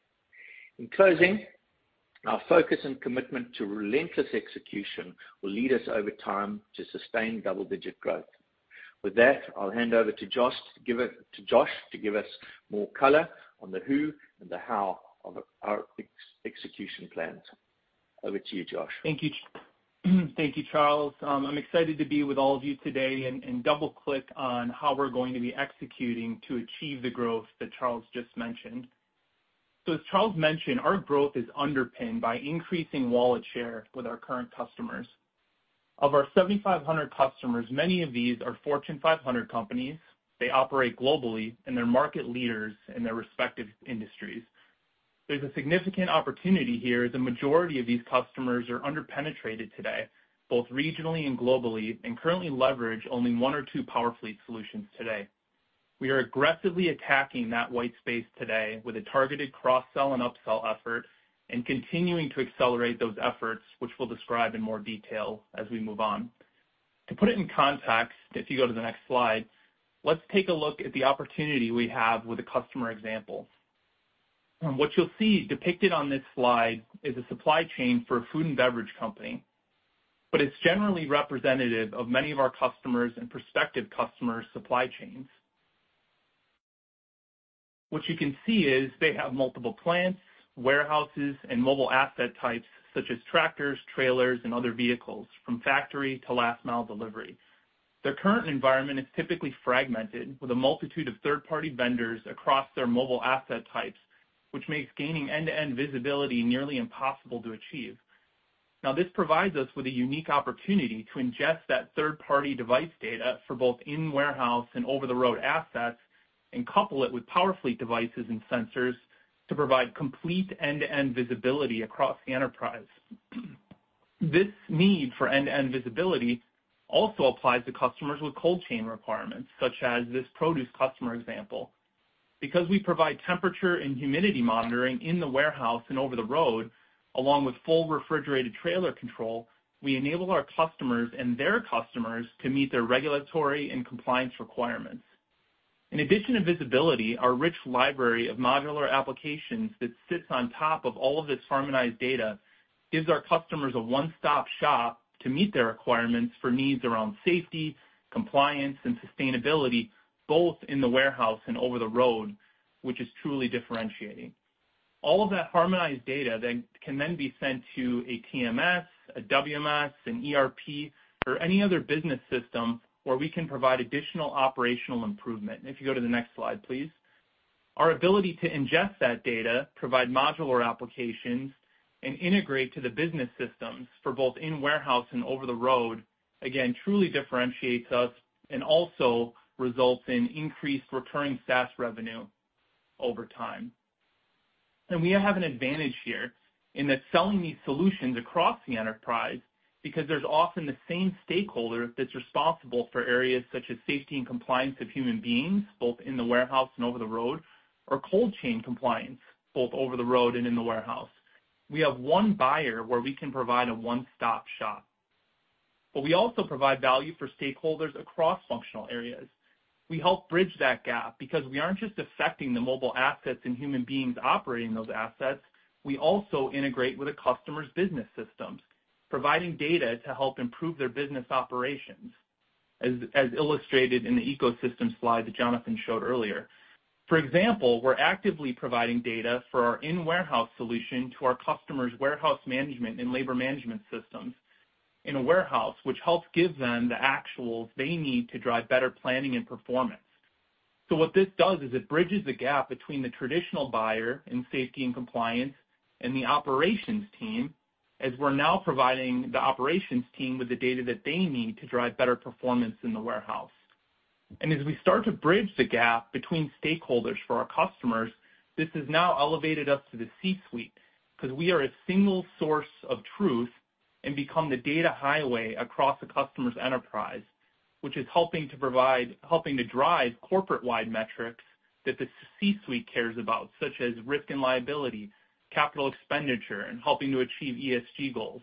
In closing, our focus and commitment to relentless execution will lead us over time to sustain double-digit growth. With that, I'll hand over to Josh to give us more color on the who and the how of our execution plans. Over to you, Josh. Thank you, thank you, Charles. I'm excited to be with all of you today and double-click on how we're going to be executing to achieve the growth that Charles just mentioned. So as Charles mentioned, our growth is underpinned by increasing wallet share with our current customers. Of our 7,500 customers, many of these are Fortune 500 companies. They operate globally, and they're market leaders in their respective industries. There's a significant opportunity here, as a majority of these customers are under-penetrated today, both regionally and globally, and currently leverage only one or two Powerfleet solutions today. We are aggressively attacking that white space today with a targeted cross-sell and upsell effort, and continuing to accelerate those efforts, which we'll describe in more detail as we move on. To put it in context, if you go to the next slide, let's take a look at the opportunity we have with a customer example. What you'll see depicted on this slide is a supply chain for a food and beverage company, but it's generally representative of many of our customers' and prospective customers' supply chains. What you can see is they have multiple plants, warehouses, and mobile asset types, such as tractors, trailers, and other vehicles, from factory to last-mile delivery. Their current environment is typically fragmented, with a multitude of third-party vendors across their mobile asset types, which makes gaining end-to-end visibility nearly impossible to achieve. Now, this provides us with a unique opportunity to ingest that third-party device data for both in-warehouse and over-the-road assets, and couple it with Powerfleet devices and sensors to provide complete end-to-end visibility across the enterprise. This need for end-to-end visibility also applies to customers with cold chain requirements, such as this produce customer example. Because we provide temperature and humidity monitoring in the warehouse and over the road, along with full refrigerated trailer control, we enable our customers and their customers to meet their regulatory and compliance requirements. In addition to visibility, our rich library of modular applications that sits on top of all of this harmonized data, gives our customers a one-stop-shop to meet their requirements for needs around safety, compliance, and sustainability, both in the warehouse and over the road, which is truly differentiating... All of that harmonized data can be sent to a TMS, a WMS, an ERP, or any other business system where we can provide additional operational improvement. If you go to the next slide, please. Our ability to ingest that data, provide modular applications, and integrate to the business systems for both in-warehouse and over-the-road, again, truly differentiates us and also results in increased recurring SaaS revenue over time. We have an advantage here in that selling these solutions across the enterprise, because there's often the same stakeholder that's responsible for areas such as safety and compliance of human beings, both in the warehouse and over the road, or cold chain compliance, both over the road and in the warehouse. We have one buyer where we can provide a one-stop shop. We also provide value for stakeholders across functional areas. We help bridge that gap because we aren't just affecting the mobile assets and human beings operating those assets, we also integrate with a customer's business systems, providing data to help improve their business operations, as illustrated in the ecosystem slide that Jonathan showed earlier. For example, we're actively providing data for our in-warehouse solution to our customers' warehouse management and labor management systems in a warehouse, which helps give them the actuals they need to drive better planning and performance. So what this does is it bridges the gap between the traditional buyer in safety and compliance and the operations team, as we're now providing the operations team with the data that they need to drive better performance in the warehouse. As we start to bridge the gap between stakeholders for our customers, this has now elevated us to the C-suite, 'cause we are a single source of truth and become the data highway across a customer's enterprise, which is helping to drive corporate-wide metrics that the C-suite cares about, such as risk and liability, capital expenditure, and helping to achieve ESG goals.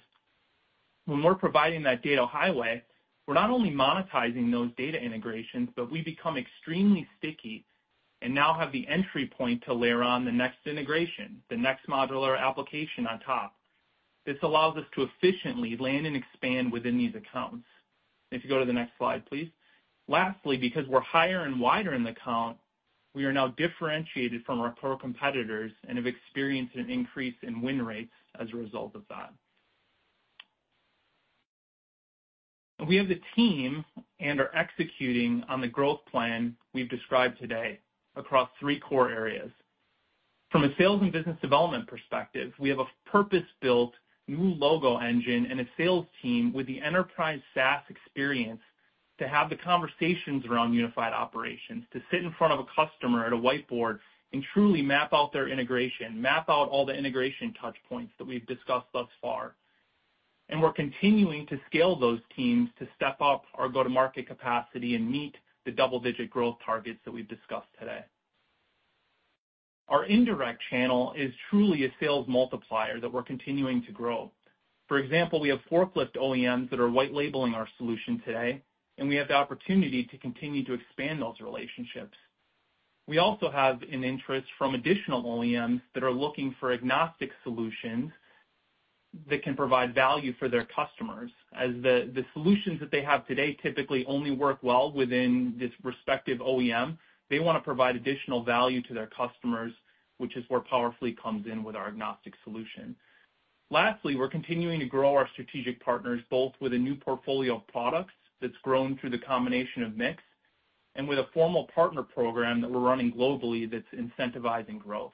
When we're providing that data highway, we're not only monetizing those data integrations, but we become extremely sticky and now have the entry point to layer on the next integration, the next modular application on top. This allows us to efficiently land and expand within these accounts. And if you go to the next slide, please. Lastly, because we're higher and wider in the account, we are now differentiated from our core competitors and have experienced an increase in win rates as a result of that. We have the team and are executing on the growth plan we've described today across three core areas. From a sales and business development perspective, we have a purpose-built new logo engine and a sales team with the enterprise SaaS experience to have the conversations around unified operations, to sit in front of a customer at a whiteboard and truly map out their integration, map out all the integration touch points that we've discussed thus far. And we're continuing to scale those teams to step up our go-to-market capacity and meet the double-digit growth targets that we've discussed today. Our indirect channel is truly a sales multiplier that we're continuing to grow. For example, we have forklift OEMs that are white labeling our solution today, and we have the opportunity to continue to expand those relationships. We also have an interest from additional OEMs that are looking for agnostic solutions that can provide value for their customers. As the solutions that they have today typically only work well within this respective OEM, they wanna provide additional value to their customers, which is where Powerfleet comes in with our agnostic solution. Lastly, we're continuing to grow our strategic partners, both with a new portfolio of products that's grown through the combination of MiX, and with a formal partner program that we're running globally that's incentivizing growth.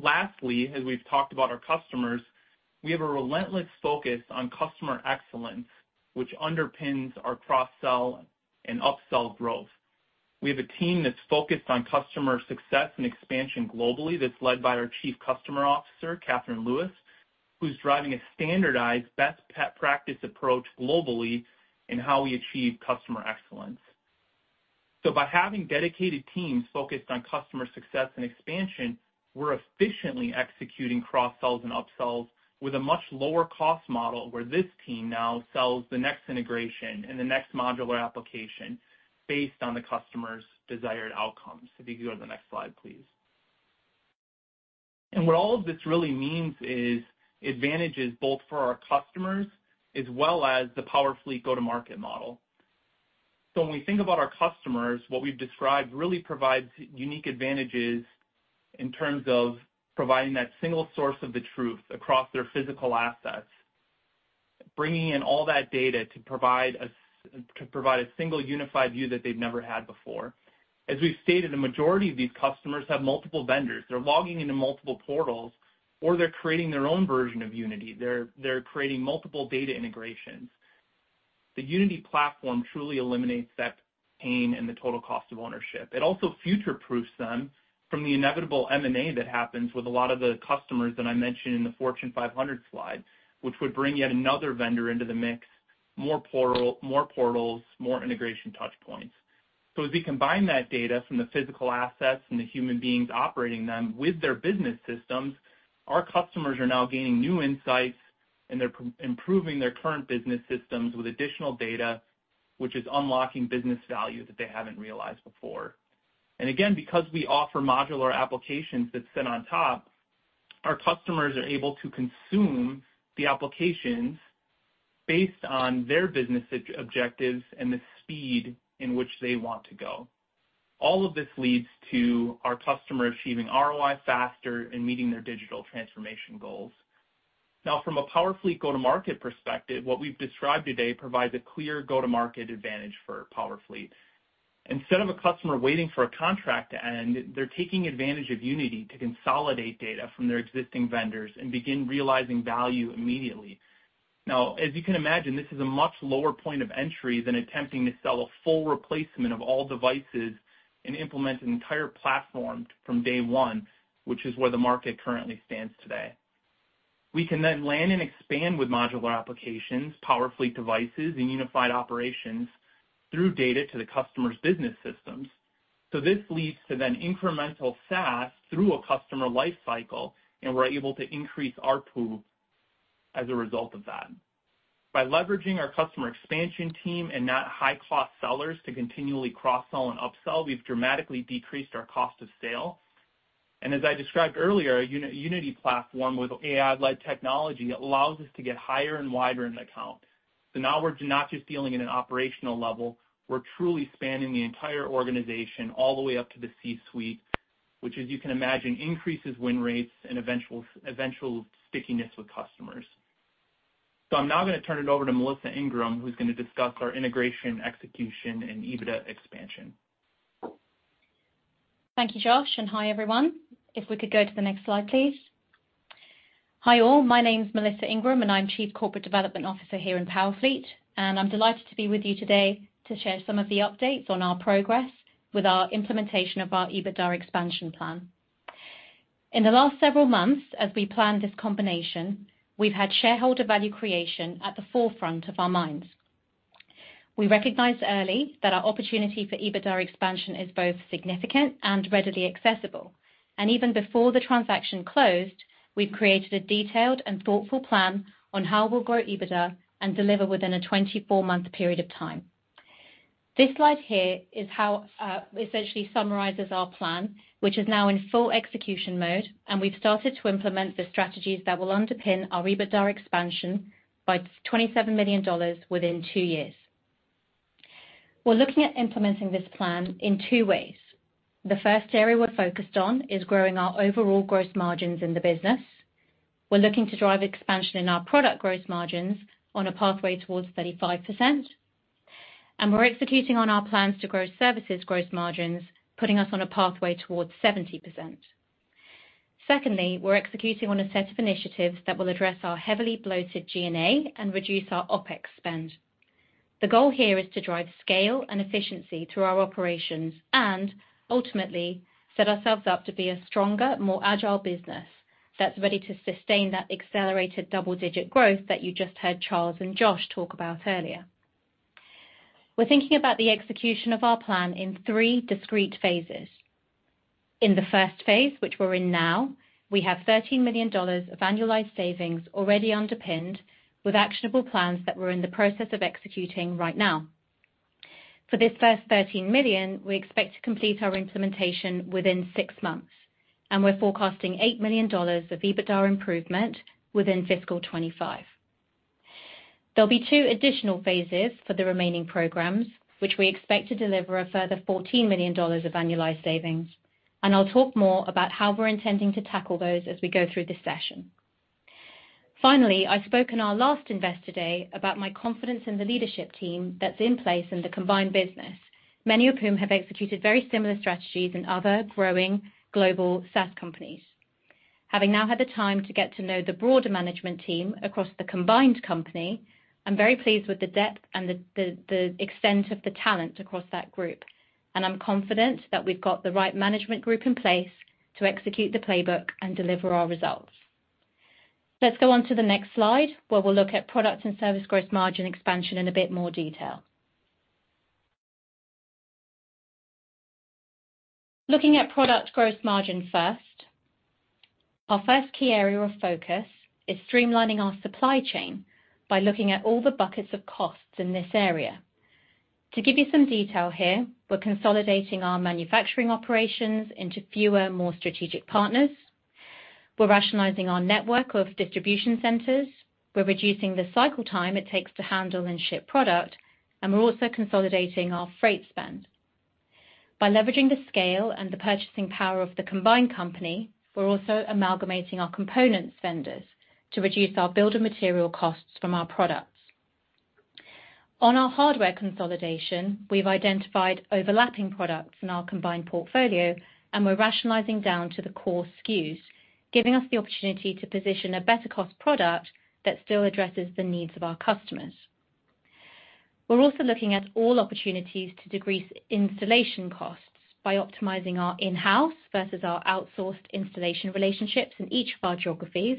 Lastly, as we've talked about our customers, we have a relentless focus on customer excellence, which underpins our cross-sell and upsell growth. We have a team that's focused on customer success and expansion globally, that's led by our Chief Customer Officer, Catherine Lewis, who's driving a standardized best practice approach globally in how we achieve customer excellence. By having dedicated teams focused on customer success and expansion, we're efficiently executing cross-sells and upsells with a much lower cost model, where this team now sells the next integration and the next modular application based on the customer's desired outcomes. If you go to the next slide, please. What all of this really means is advantages both for our customers as well as the Powerfleet go-to-market model. So when we think about our customers, what we've described really provides unique advantages in terms of providing that single source of the truth across their physical assets, bringing in all that data to provide a single unified view that they've never had before. As we've stated, the majority of these customers have multiple vendors. They're logging into multiple portals, or they're creating their own version of Unity. They're creating multiple data integrations. The Unity platform truly eliminates that pain and the total cost of ownership. It also future-proofs them from the inevitable M&A that happens with a lot of the customers that I mentioned in the Fortune 500 slide, which would bring yet another vendor into the mix, more portals, more integration touch points. So as we combine that data from the physical assets and the human beings operating them with their business systems, our customers are now gaining new insights, and they're improving their current business systems with additional data, which is unlocking business value that they haven't realized before. And again, because we offer modular applications that sit on top, our customers are able to consume the applications based on their business objectives and the speed in which they want to go. All of this leads to our customer achieving ROI faster and meeting their digital transformation goals. Now, from a Powerfleet go-to-market perspective, what we've described today provides a clear go-to-market advantage for Powerfleet. Instead of a customer waiting for a contract to end, they're taking advantage of Unity to consolidate data from their existing vendors and begin realizing value immediately. Now, as you can imagine, this is a much lower point of entry than attempting to sell a full replacement of all devices and implement an entire platform from day one, which is where the market currently stands today. We can then land and expand with modular applications, Powerfleet devices, and unified operations through data to the customer's business systems. So this leads to then incremental SaaS through a customer life cycle, and we're able to increase ARPU as a result of that. By leveraging our customer expansion team and not high-cost sellers to continually cross-sell and upsell, we've dramatically decreased our cost of sale. And as I described earlier, Unity platform with AI-led technology allows us to get higher and wider in account. So now we're not just dealing at an operational level, we're truly spanning the entire organization all the way up to the C-suite, which, as you can imagine, increases win rates and eventual, eventual stickiness with customers. So I'm now gonna turn it over to Melissa Ingram, who's gonna discuss our integration, execution, and EBITDA expansion. Thank you, Josh, and hi, everyone. If we could go to the next slide, please. Hi, all. My name's Melissa Ingram, and I'm Chief Corporate Development Officer here at Powerfleet, and I'm delighted to be with you today to share some of the updates on our progress with our implementation of our EBITDA expansion plan. In the last several months, as we planned this combination, we've had shareholder value creation at the forefront of our minds. We recognized early that our opportunity for EBITDA expansion is both significant and readily accessible, and even before the transaction closed, we've created a detailed and thoughtful plan on how we'll grow EBITDA and deliver within a 24-month period of time. This slide here is how essentially summarizes our plan, which is now in full execution mode, and we've started to implement the strategies that will underpin our EBITDA expansion by $27 million within two years. We're looking at implementing this plan in two ways. The first area we're focused on is growing our overall gross margins in the business. We're looking to drive expansion in our product gross margins on a pathway towards 35%, and we're executing on our plans to grow services gross margins, putting us on a pathway towards 70%. Secondly, we're executing on a set of initiatives that will address our heavily bloated G&A and reduce our OpEx spend. The goal here is to drive scale and efficiency through our operations and ultimately set ourselves up to be a stronger, more agile business that's ready to sustain that accelerated double-digit growth that you just heard Charles and Josh talk about earlier. We're thinking about the execution of our plan in three discrete phases. In the first phase, which we're in now, we have $13 million of annualized savings already underpinned with actionable plans that we're in the process of executing right now. For this first $13 million, we expect to complete our implementation within six months, and we're forecasting $8 million of EBITDA improvement within fiscal 2025. There'll be two additional phases for the remaining programs, which we expect to deliver a further $14 million of annualized savings, and I'll talk more about how we're intending to tackle those as we go through this session. Finally, I spoke in our last Investor Day about my confidence in the leadership team that's in place in the combined business, many of whom have executed very similar strategies in other growing global SaaS companies. Having now had the time to get to know the broader management team across the combined company, I'm very pleased with the depth and the extent of the talent across that group, and I'm confident that we've got the right management group in place to execute the playbook and deliver our results. Let's go on to the next slide, where we'll look at product and service gross margin expansion in a bit more detail. Looking at product gross margin first, our first key area of focus is streamlining our supply chain by looking at all the buckets of costs in this area. To give you some detail here, we're consolidating our manufacturing operations into fewer, more strategic partners. We're rationalizing our network of distribution centers, we're reducing the cycle time it takes to handle and ship product, and we're also consolidating our freight spend. By leveraging the scale and the purchasing power of the combined company, we're also amalgamating our components vendors to reduce our bill of material costs from our products. On our hardware consolidation, we've identified overlapping products in our combined portfolio, and we're rationalizing down to the core SKUs, giving us the opportunity to position a better-cost product that still addresses the needs of our customers. We're also looking at all opportunities to decrease installation costs by optimizing our in-house versus our outsourced installation relationships in each of our geographies,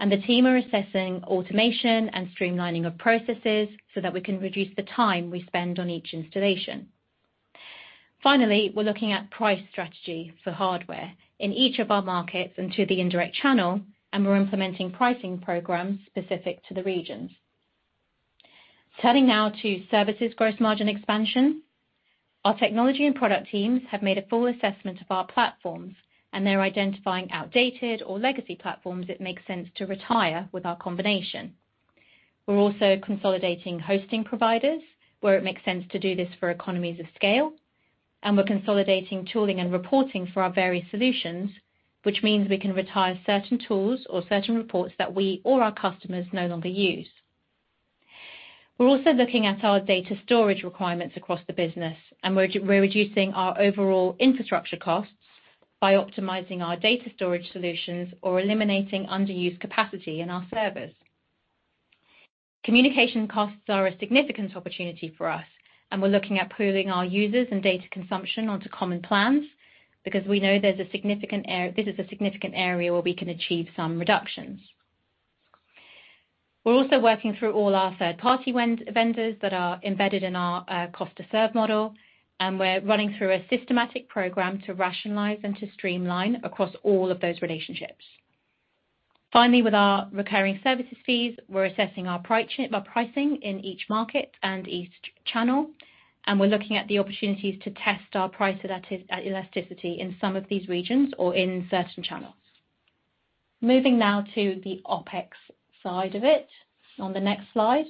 and the team are assessing automation and streamlining of processes so that we can reduce the time we spend on each installation. Finally, we're looking at price strategy for hardware in each of our markets and to the indirect channel, and we're implementing pricing programs specific to the regions... Turning now to services gross margin expansion. Our technology and product teams have made a full assessment of our platforms, and they're identifying outdated or legacy platforms that make sense to retire with our combination. We're also consolidating hosting providers, where it makes sense to do this for economies of scale, and we're consolidating tooling and reporting for our various solutions, which means we can retire certain tools or certain reports that we or our customers no longer use. We're also looking at our data storage requirements across the business, and we're reducing our overall infrastructure costs by optimizing our data storage solutions or eliminating underused capacity in our servers. Communication costs are a significant opportunity for us, and we're looking at pooling our users and data consumption onto common plans because we know this is a significant area where we can achieve some reductions. We're also working through all our third-party vendors that are embedded in our cost to serve model, and we're running through a systematic program to rationalize and to streamline across all of those relationships. Finally, with our recurring services fees, we're assessing our pricing in each market and each channel, and we're looking at the opportunities to test our price elasticity in some of these regions or in certain channels. Moving now to the OpEx side of it on the next slide.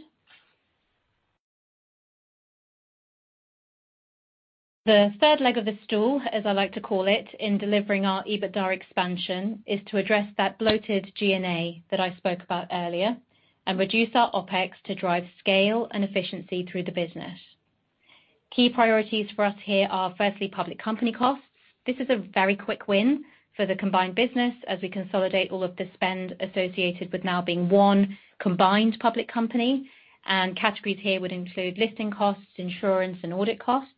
The third leg of the stool, as I like to call it, in delivering our EBITDA expansion, is to address that bloated G&A that I spoke about earlier and reduce our OpEx to drive scale and efficiency through the business. Key priorities for us here are, firstly, public company costs. This is a very quick win for the combined business as we consolidate all of the spend associated with now being one combined public company, and categories here would include listing costs, insurance, and audit costs.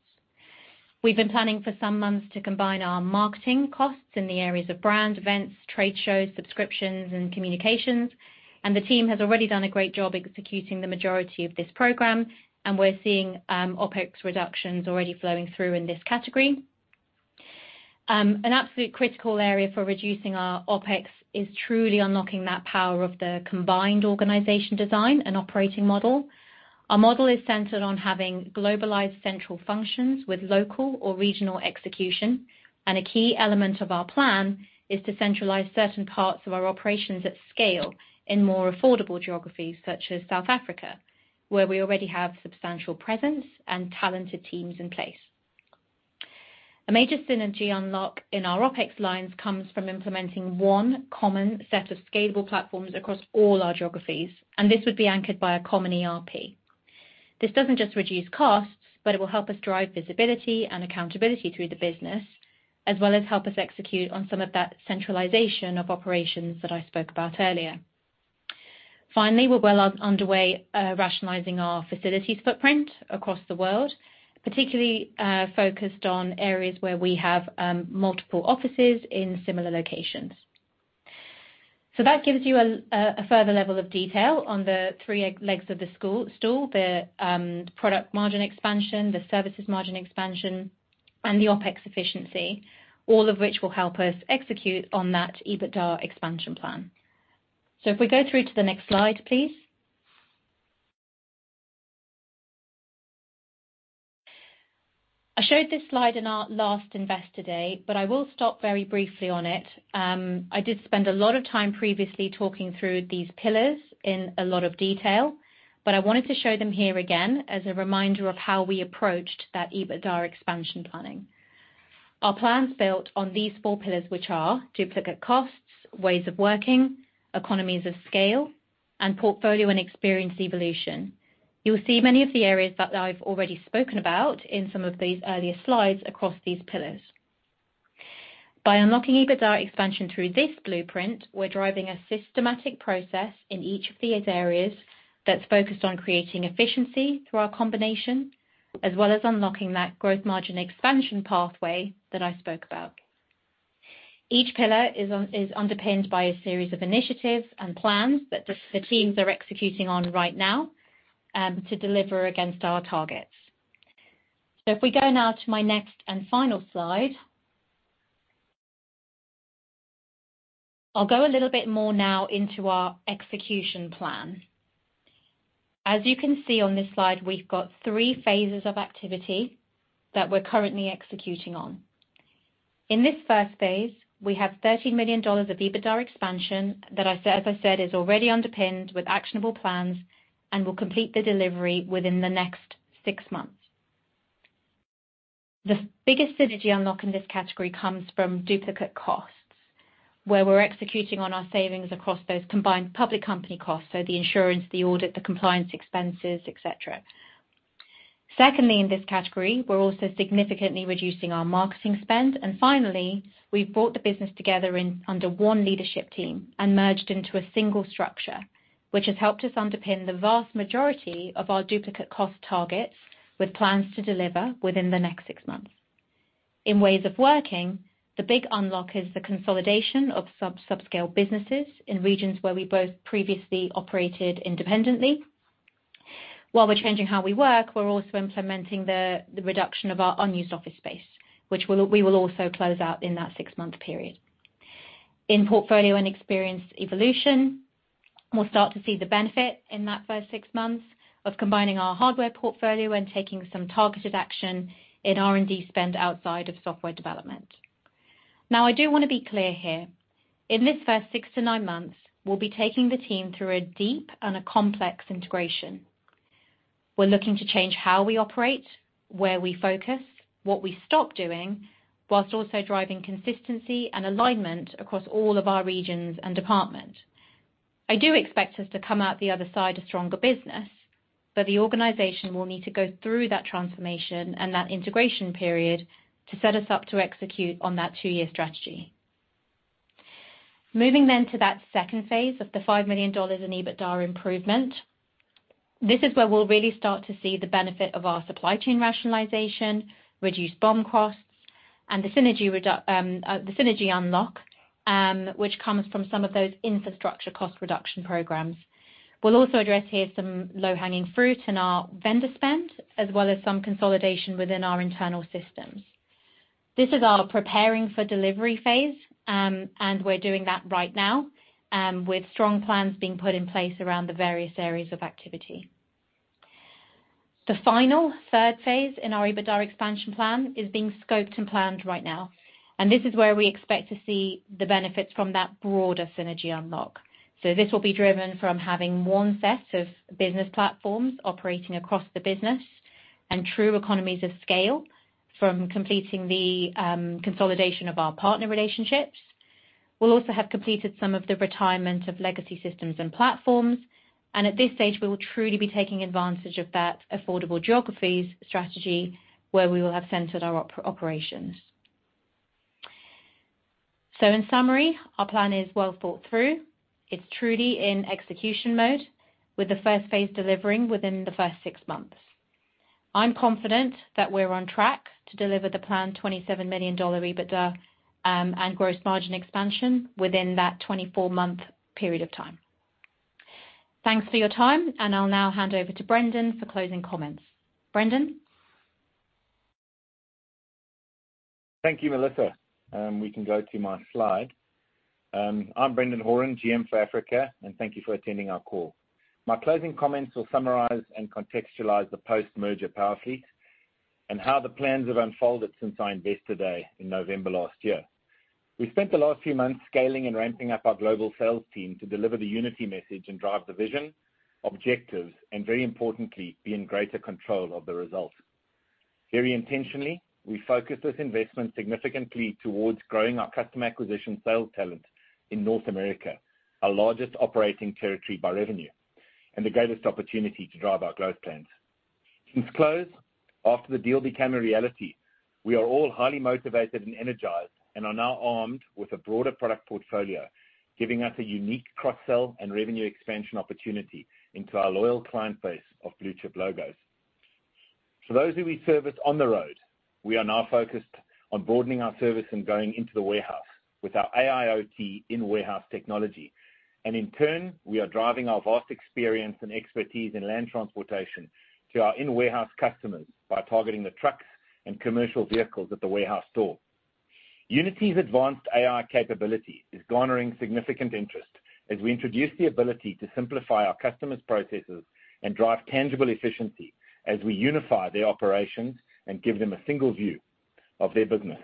We've been planning for some months to combine our marketing costs in the areas of brand events, trade shows, subscriptions, and communications, and the team has already done a great job executing the majority of this program, and we're seeing OpEx reductions already flowing through in this category. An absolute critical area for reducing our OpEx is truly unlocking that power of the combined organization design and operating model. Our model is centered on having globalized central functions with local or regional execution, and a key element of our plan is to centralize certain parts of our operations at scale in more affordable geographies, such as South Africa, where we already have substantial presence and talented teams in place. A major synergy unlock in our OpEx lines comes from implementing one common set of scalable platforms across all our geographies, and this would be anchored by a common ERP. This doesn't just reduce costs, but it will help us drive visibility and accountability through the business, as well as help us execute on some of that centralization of operations that I spoke about earlier. Finally, we're well underway rationalizing our facilities footprint across the world, particularly focused on areas where we have multiple offices in similar locations. So that gives you a further level of detail on the three legs of the stool, the product margin expansion, the services margin expansion, and the OpEx efficiency, all of which will help us execute on that EBITDA expansion plan. So if we go through to the next slide, please. I showed this slide in our last investor day, but I will stop very briefly on it. I did spend a lot of time previously talking through these pillars in a lot of detail, but I wanted to show them here again as a reminder of how we approached that EBITDA expansion planning. Our plan's built on these four pillars, which are duplicate costs, ways of working, economies of scale, and portfolio and experience evolution. You'll see many of the areas that I've already spoken about in some of these earlier slides across these pillars. By unlocking EBITDA expansion through this blueprint, we're driving a systematic process in each of these areas that's focused on creating efficiency through our combination, as well as unlocking that growth margin expansion pathway that I spoke about. Each pillar is underpinned by a series of initiatives and plans that the teams are executing on right now to deliver against our targets. So if we go now to my next and final slide. I'll go a little bit more now into our execution plan. As you can see on this slide, we've got three phases of activity that we're currently executing on. In this first phase, we have $13 million of EBITDA expansion that I said, as I said, is already underpinned with actionable plans and will complete the delivery within the next six months. The biggest synergy unlock in this category comes from duplicate costs, where we're executing on our savings across those combined public company costs, so the insurance, the audit, the compliance expenses, et cetera. Secondly, in this category, we're also significantly reducing our marketing spend, and finally, we've brought the business together under one leadership team and merged into a single structure, which has helped us underpin the vast majority of our duplicate cost targets with plans to deliver within the next six months. In ways of working, the big unlock is the consolidation of subscale businesses in regions where we both previously operated independently. While we're changing how we work, we're also implementing the reduction of our unused office space, which we will also close out in that 6-month period in portfolio and experience evolution. We'll start to see the benefit in that first six months of combining our hardware portfolio and taking some targeted action in R&D spend outside of software development. Now, I do wanna be clear here. In this first 6-9 months, we'll be taking the team through a deep and complex integration. We're looking to change how we operate, where we focus, what we stop doing, whilst also driving consistency and alignment across all of our regions and department. I do expect us to come out the other side a stronger business, but the organization will need to go through that transformation and that integration period to set us up to execute on that two-year strategy. Moving then to that second phase of the $5 million in EBITDA improvement. This is where we'll really start to see the benefit of our supply chain rationalization, reduced BOM costs, and the synergy unlock, which comes from some of those infrastructure cost reduction programs. We'll also address here some low-hanging fruit in our vendor spend, as well as some consolidation within our internal systems. This is our preparing for delivery phase, and we're doing that right now, with strong plans being put in place around the various areas of activity. The final third phase in our EBITDA expansion plan is being scoped and planned right now, and this is where we expect to see the benefits from that broader synergy unlock. So this will be driven from having one set of business platforms operating across the business and true economies of scale from completing the consolidation of our partner relationships. We'll also have completed some of the retirement of legacy systems and platforms, and at this stage, we will truly be taking advantage of that affordable geographies strategy, where we will have centered our operations. So in summary, our plan is well thought through. It's truly in execution mode, with the first phase delivering within the first 6 months. I'm confident that we're on track to deliver the planned $27 million EBITDA and gross margin expansion within that 24-month period of time. Thanks for your time, and I'll now hand over to Brendan for closing comments. Brendan? Thank you, Melissa. We can go to my slide. I'm Brendan Horan, GM for Africa, and thank you for attending our call. My closing comments will summarize and contextualize the post-merger Powerfleet and how the plans have unfolded since our Investor Day in November last year. We spent the last few months scaling and ramping up our global sales team to deliver the Unity message and drive the vision, objectives, and very importantly, be in greater control of the results. Very intentionally, we focused this investment significantly towards growing our customer acquisition sales talent in North America, our largest operating territory by revenue, and the greatest opportunity to drive our growth plans. Since close, after the deal became a reality, we are all highly motivated and energized and are now armed with a broader product portfolio, giving us a unique cross-sell and revenue expansion opportunity into our loyal client base of blue-chip logos. For those who we service on the road, we are now focused on boarding our service and going into the warehouse with our AIoT in-warehouse technology. And in turn, we are driving our vast experience and expertise in land transportation to our in-warehouse customers by targeting the trucks and commercial vehicles at the warehouse door. Unity's advanced AI capability is garnering significant interest as we introduce the ability to simplify our customers' processes and drive tangible efficiency as we unify their operations and give them a single view of their business.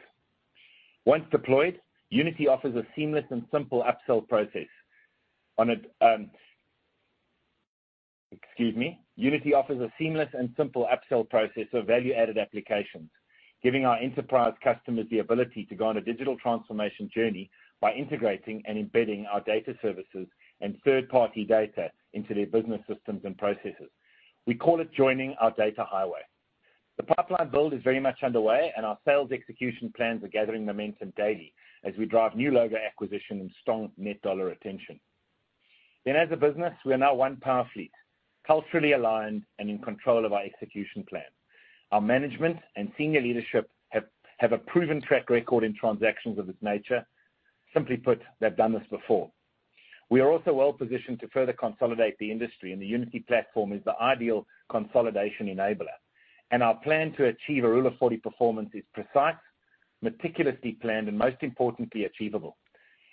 Once deployed, Unity offers a seamless and simple upsell process on a, Excuse me, Unity offers a seamless and simple upsell process of value-added applications, giving our enterprise customers the ability to go on a digital transformation journey by integrating and embedding our data services and third-party data into their business systems and processes. We call it joining our data highway. The pipeline build is very much underway, and our sales execution plans are gathering momentum daily as we drive new logo acquisition and strong net dollar retention. Then, as a business, we are now one Powerfleet, culturally aligned and in control of our execution plan. Our management and senior leadership have a proven track record in transactions of this nature. Simply put, they've done this before. We are also well-positioned to further consolidate the industry, and the Unity platform is the ideal consolidation enabler. Our plan to achieve a Rule of Forty performance is precise, meticulously planned, and most importantly, achievable.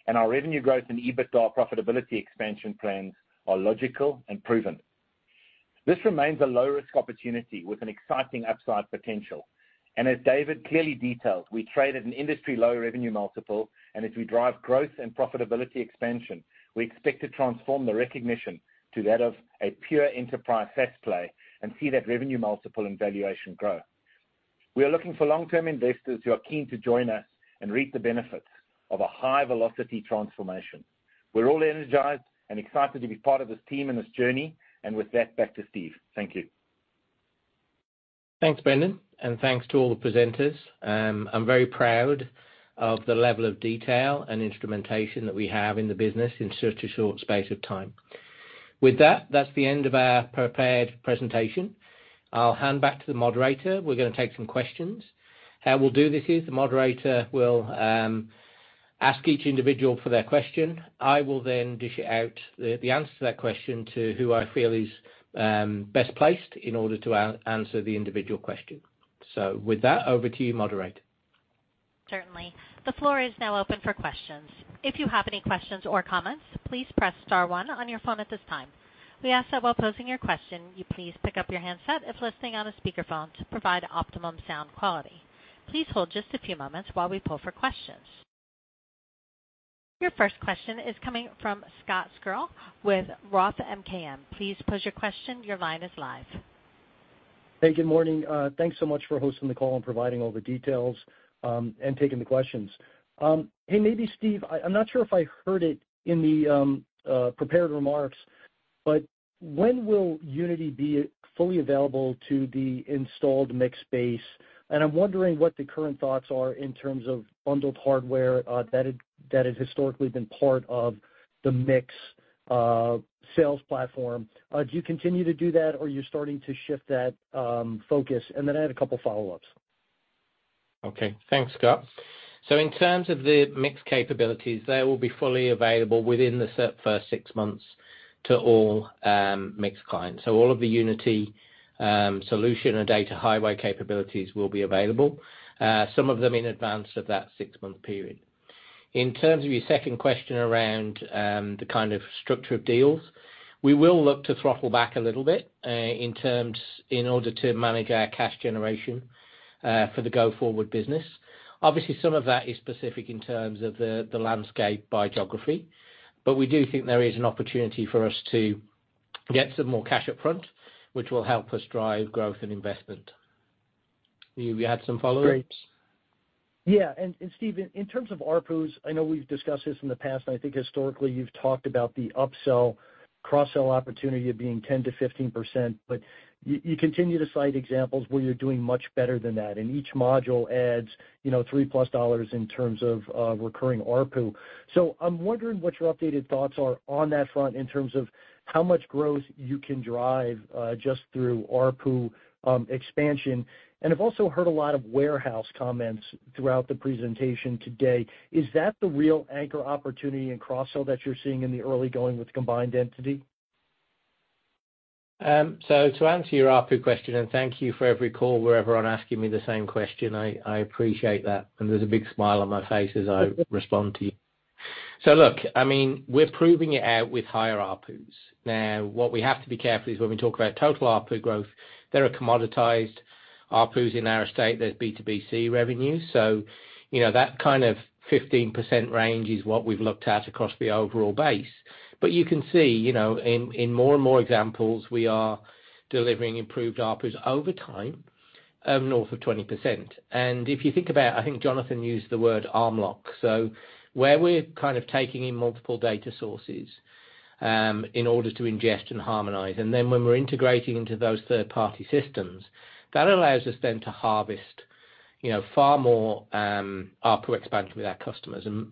Our revenue growth and EBITDA profitability expansion plans are logical and proven. This remains a low-risk opportunity with an exciting upside potential. As David clearly detailed, we trade at an industry-low revenue multiple, and as we drive growth and profitability expansion, we expect to transform the recognition to that of a pure enterprise SaaS play and see that revenue multiple and valuation grow. We are looking for long-term investors who are keen to join us and reap the benefits of a high-velocity transformation. We're all energized and excited to be part of this team and this journey. With that, back to Steve. Thank you. Thanks, Brendan, and thanks to all the presenters. I'm very proud of the level of detail and instrumentation that we have in the business in such a short space of time. With that, that's the end of our prepared presentation. I'll hand back to the moderator. We're gonna take some questions. How we'll do this is, the moderator will ask each individual for their question. I will then dish out the answer to that question to who I feel is best placed in order to answer the individual question.... So with that, over to you, moderator. Certainly. The floor is now open for questions. If you have any questions or comments, please press star one on your phone at this time. We ask that while posing your question, you please pick up your handset if listening on a speakerphone to provide optimum sound quality. Please hold just a few moments while we poll for questions. Your first question is coming from Scott Searle with Roth MKM. Please pose your question. Your line is live. Hey, good morning. Thanks so much for hosting the call and providing all the details, and taking the questions. Hey, maybe Steve, I, I'm not sure if I heard it in the prepared remarks, but when will Unity be fully available to the installed MiX base? And I'm wondering what the current thoughts are in terms of bundled hardware, that had, that has historically been part of the MiX sales platform. Do you continue to do that, or are you starting to shift that focus? And then I had a couple follow-ups. Okay, thanks, Scott. So in terms of the MiX capabilities, they will be fully available within the first six months to all MiX clients. So all of the Unity solution and data highway capabilities will be available, some of them in advance of that six-month period. In terms of your second question around the kind of structure of deals, we will look to throttle back a little bit in order to manage our cash generation for the go-forward business. Obviously, some of that is specific in terms of the landscape by geography, but we do think there is an opportunity for us to get some more cash up front, which will help us drive growth and investment. You had some follow-ups? Yeah. And Steve, in terms of ARPUs, I know we've discussed this in the past, and I think historically you've talked about the upsell, cross-sell opportunity of being 10%-15%. But you continue to cite examples where you're doing much better than that, and each module adds, you know, $3+ in terms of recurring ARPU. So I'm wondering what your updated thoughts are on that front in terms of how much growth you can drive just through ARPU expansion. And I've also heard a lot of warehouse comments throughout the presentation today. Is that the real anchor opportunity and cross-sell that you're seeing in the early going with combined entity? So to answer your ARPU question, and thank you for every call where everyone asking me the same question. I appreciate that, and there's a big smile on my face as I respond to you. So look, I mean, we're proving it out with higher ARPUs. Now, what we have to be careful is when we talk about total ARPU growth, there are commoditized ARPUs in our estate, there's B2BC revenue. So, you know, that kind of 15% range is what we've looked at across the overall base. But you can see, you know, in more and more examples, we are delivering improved ARPUs over time, north of 20%. If you think about, I think Jonathan used the word arm lock, so where we're kind of taking in multiple data sources, in order to ingest and harmonize, and then when we're integrating into those third-party systems, that allows us then to harvest, you know, far more, ARPU expansion with our customers. And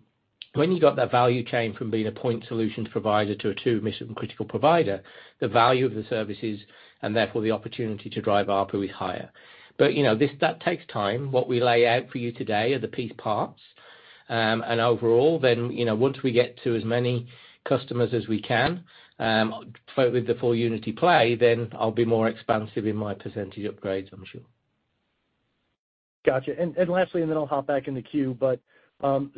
when you've got that value chain from being a point solutions provider to a two mission-critical provider, the value of the services, and therefore the opportunity to drive ARPU is higher. But you know, this, that takes time. What we lay out for you today are the piece parts. Overall, then, you know, once we get to as many customers as we can, with the full Unity play, then I'll be more expansive in my percentage upgrades, I'm sure. Gotcha. And, and lastly, and then I'll hop back in the queue, but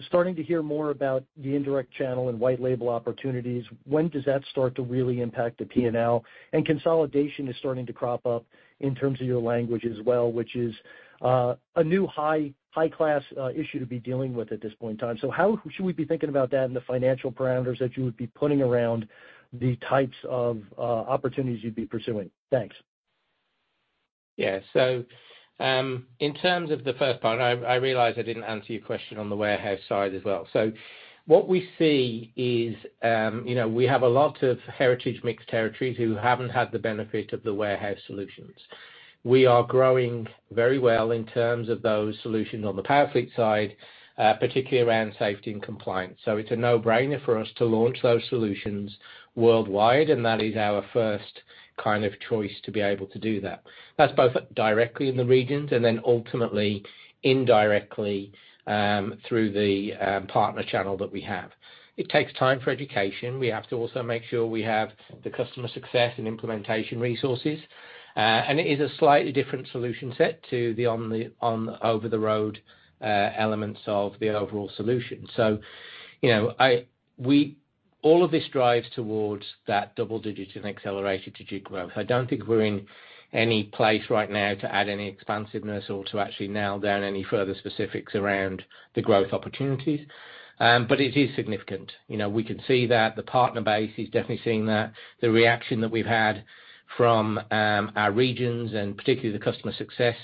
starting to hear more about the indirect channel and white label opportunities, when does that start to really impact the P&L? And consolidation is starting to crop up in terms of your language as well, which is a new high-class issue to be dealing with at this point in time. So how should we be thinking about that and the financial parameters that you would be putting around the types of opportunities you'd be pursuing? Thanks. Yeah. So, in terms of the first part, I, I realize I didn't answer your question on the warehouse side as well. So what we see is, you know, we have a lot of heritage MiX territories who haven't had the benefit of the warehouse solutions. We are growing very well in terms of those solutions on the Powerfleet side, particularly around safety and compliance. So it's a no-brainer for us to launch those solutions worldwide, and that is our first kind of choice to be able to do that. That's both directly in the regions and then ultimately, indirectly, through the partner channel that we have. It takes time for education. We have to also make sure we have the customer success and implementation resources, and it is a slightly different solution set to the on-the-road elements of the overall solution. So, you know, all of this drives towards that double-digit and accelerated strategic growth. I don't think we're in any place right now to add any expansiveness or to actually nail down any further specifics around the growth opportunities. But it is significant. You know, we can see that. The partner base is definitely seeing that. The reaction that we've had from our regions and particularly the customer success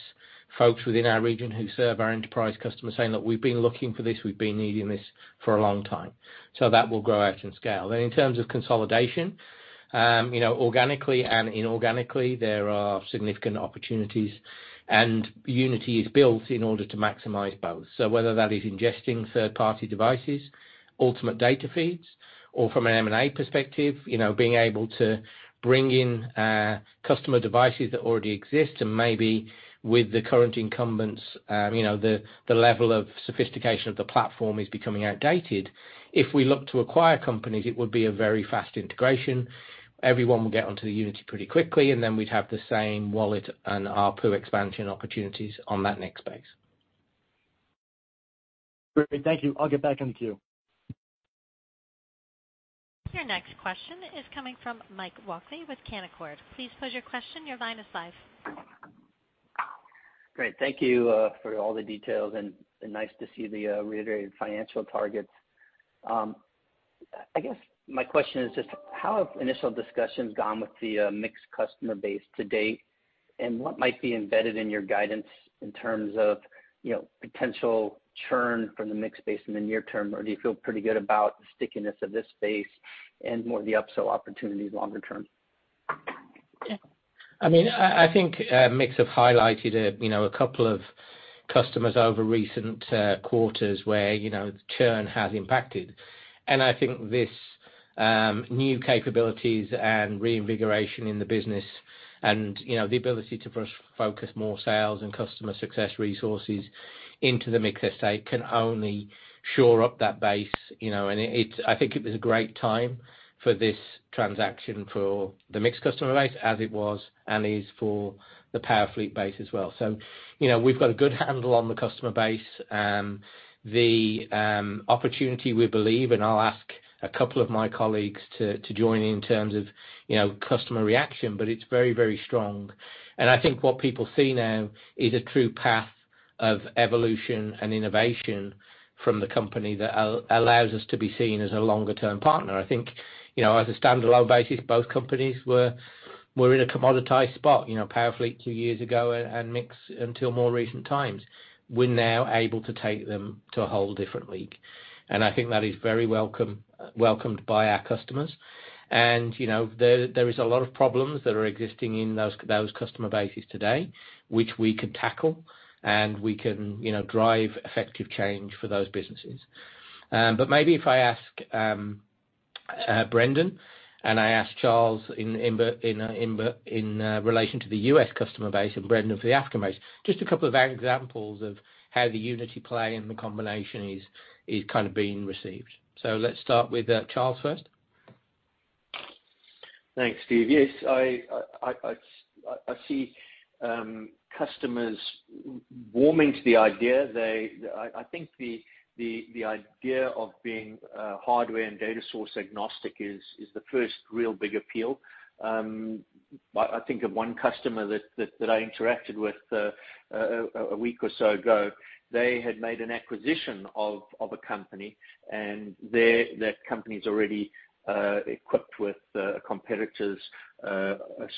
folks within our region who serve our enterprise customers, saying: "Look, we've been looking for this, we've been needing this for a long time." So that will grow out and scale. Then in terms of consolidation, you know, organically and inorganically, there are significant opportunities, and Unity is built in order to maximize both. So whether that is ingesting third-party devices, OEM data feeds, or from an M&A perspective, you know, being able to bring in, customer devices that already exist, and maybe with the current incumbents, you know, the level of sophistication of the platform is becoming outdated. If we look to acquire companies, it would be a very fast integration. Everyone will get onto the Unity pretty quickly, and then we'd have the same wallet and ARPU expansion opportunities on that next base.... Great, thank you. I'll get back in queue. Your next question is coming from Mike Walkley with Canaccord. Please pose your question. Your line is live. Great. Thank you, for all the details, and nice to see the, reiterated financial targets. I guess my question is just: How have initial discussions gone with the, MiX customer base to date? And what might be embedded in your guidance in terms of, you know, potential churn from the MiX base in the near term, or do you feel pretty good about the stickiness of this space and more the upsell opportunities longer term? I mean, I think, MiX has highlighted a, you know, a couple of customers over recent quarters where, you know, churn has impacted. And I think this new capabilities and reinvigoration in the business and, you know, the ability to focus more sales and customer success resources into the MiX estate can only shore up that base, you know. And it I think it was a great time for this transaction for the MiX customer base, as it was and is for the Powerfleet base as well. So, you know, we've got a good handle on the customer base. The opportunity, we believe, and I'll ask a couple of my colleagues to join in terms of, you know, customer reaction, but it's very, very strong. And I think what people see now is a true path of evolution and innovation from the company that allows us to be seen as a longer term partner. I think, you know, as a standalone basis, both companies were in a commoditized spot, you know, Powerfleet two years ago and MiX until more recent times. We're now able to take them to a whole different league, and I think that is very welcome, welcomed by our customers. And, you know, there is a lot of problems that are existing in those customer bases today, which we can tackle, and we can, you know, drive effective change for those businesses. Maybe if I ask Brendan, and I ask Charles in relation to the U.S. customer base and Brendan for the Africa base, just a couple of examples of how the Unity play and the combination is kind of being received. Let's start with Charles first. Thanks, Steve. Yes, I see customers warming to the idea. They... I think the idea of being hardware and data source agnostic is the first real big appeal. I think of one customer that I interacted with a week or so ago, they had made an acquisition of a company, and that company is already equipped with a competitor's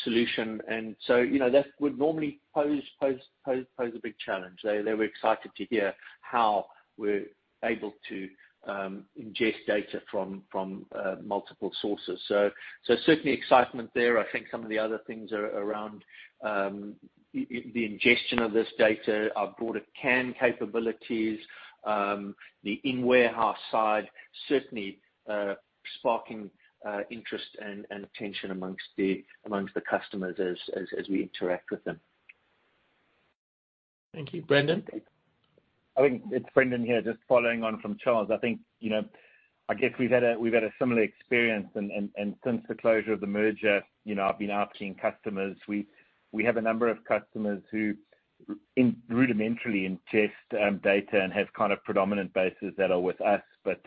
solution. And so, you know, that would normally pose a big challenge. They were excited to hear how we're able to ingest data from multiple sources. So certainly excitement there. I think some of the other things are around the ingestion of this data, our broader can capabilities, the in-warehouse side, certainly sparking interest and attention among the customers as we interact with them. Thank you. Brendan? I think it's Brendan here, just following on from Charles. I think, you know, I guess we've had a similar experience, and since the closure of the merger, you know, I've been asking customers. We have a number of customers who rudimentarily ingest data and have kind of predominant bases that are with us, but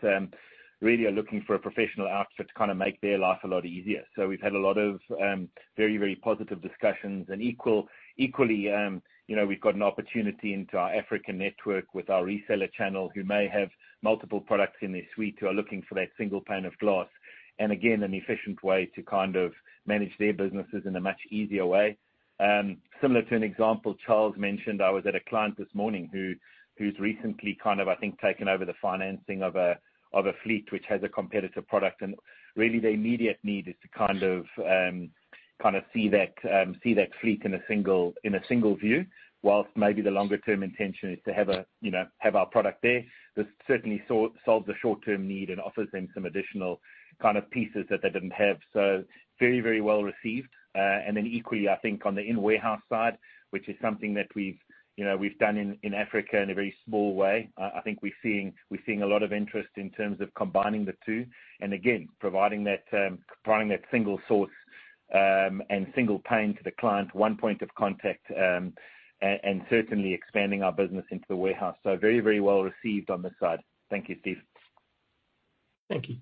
really are looking for a professional outfit to kind of make their life a lot easier. So we've had a lot of very, very positive discussions, and equally, you know, we've got an opportunity into our African network with our reseller channel, who may have multiple products in their suite, who are looking for that single pane of glass, and again, an efficient way to kind of manage their businesses in a much easier way. Similar to an example Charles mentioned, I was at a client this morning who's recently kind of, I think, taken over the financing of a fleet which has a competitive product. And really, the immediate need is to kind of see that fleet in a single view, while maybe the longer term intention is to have a, you know, have our product there. This certainly solves the short-term need and offers them some additional kind of pieces that they didn't have. So very, very well received. And then equally, I think on the in-warehouse side, which is something that we've, you know, we've done in Africa in a very small way. I think we're seeing a lot of interest in terms of combining the two, and again, providing that single source, and single pane to the client, one point of contact, and certainly expanding our business into the warehouse. So very, very well received on this side. Thank you, Steve. Thank you.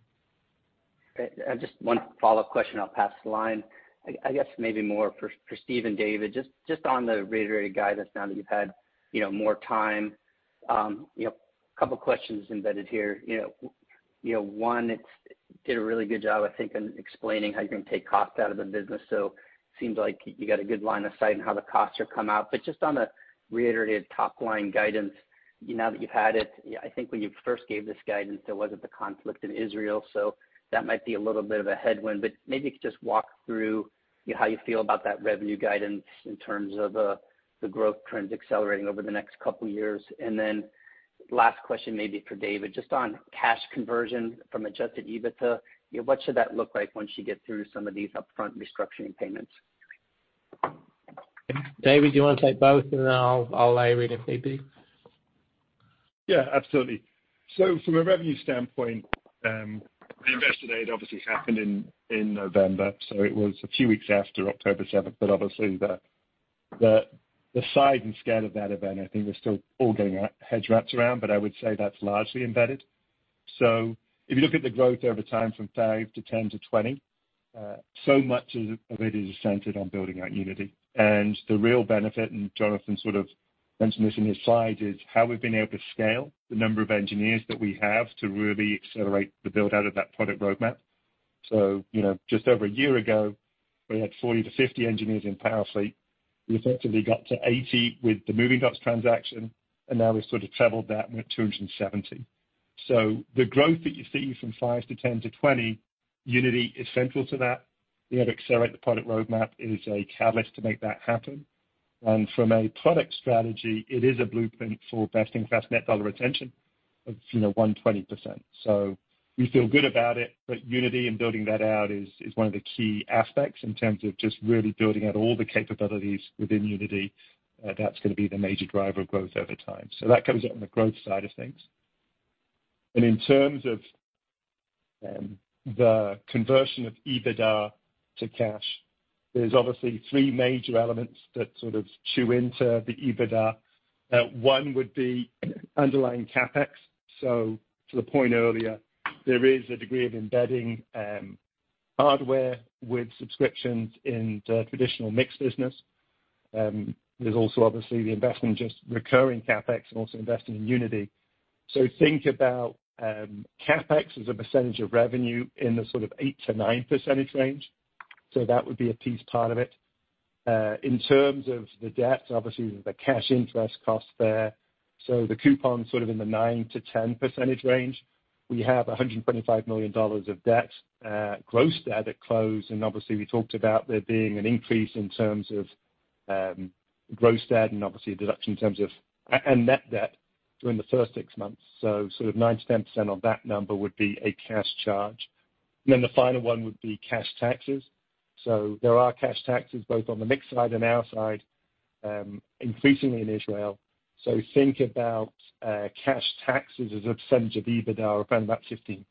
Just one follow-up question, I'll pass the line. I guess maybe more for Steve and David, just on the reiterated guidance now that you've had, you know, more time. You know, a couple of questions embedded here. You know, you know, one, it did a really good job, I think, in explaining how you're going to take cost out of the business, so seems like you got a good line of sight in how the costs are come out. But just on the reiterated top line guidance, you know, now that you've had it, I think when you first gave this guidance, there wasn't the conflict in Israel, so that might be a little bit of a headwind. But maybe you could just walk through, you know, how you feel about that revenue guidance in terms of, the growth trends accelerating over the next couple of years. And then last question, maybe for David, just on cash conversion from adjusted EBITDA, you know, what should that look like once you get through some of these upfront restructuring payments? David, do you want to take both? And then I'll weigh in if need be. Yeah, absolutely. So from a revenue standpoint, the investment aid obviously happened in November, so it was a few weeks after October 7th, but obviously the-... the size and scale of that event, I think we're still all getting our heads wrapped around, but I would say that's largely embedded. So if you look at the growth over time from five to 10 to 20, so much of it is centered on building out Unity. And the real benefit, and Jonathan sort of mentioned this in his slide, is how we've been able to scale the number of engineers that we have to really accelerate the build-out of that product roadmap. So, you know, just over a year ago, we had 40 to 50 engineers in Powerfleet. We effectively got to 80 with the Moving Dots transaction, and now we've sort of traveled that, and we're at 270. So the growth that you see from five to 10 to 20, Unity is central to that. We have to accelerate the product roadmap is a catalyst to make that happen. And from a product strategy, it is a blueprint for best-in-class net dollar retention of, you know, 120%. So we feel good about it, but Unity and building that out is one of the key aspects in terms of just really building out all the capabilities within Unity. That's gonna be the major driver of growth over time. So that comes out on the growth side of things. And in terms of the conversion of EBITDA to cash, there's obviously three major elements that sort of chew into the EBITDA. One would be underlying CapEx. So to the point earlier, there is a degree of embedding hardware with subscriptions in the traditional MiX business. There's also obviously the investment, just recurring CapEx and also investing in Unity. So think about CapEx as a percentage of revenue in the sort of 8%-9% range. So that would be a piece, part of it. In terms of the debt, obviously, the cash interest cost there, so the coupon sort of in the 9%-10% range, we have $125 million of debt, gross debt at close. And obviously, we talked about there being an increase in terms of gross debt and obviously a deduction in terms of and net debt during the first six months. So sort of 9%-10% on that number would be a cash charge. And then the final one would be cash taxes. So there are cash taxes both on the MiX side and our side, increasingly in Israel. So think about cash taxes as a percentage of EBITDA, around about 15%.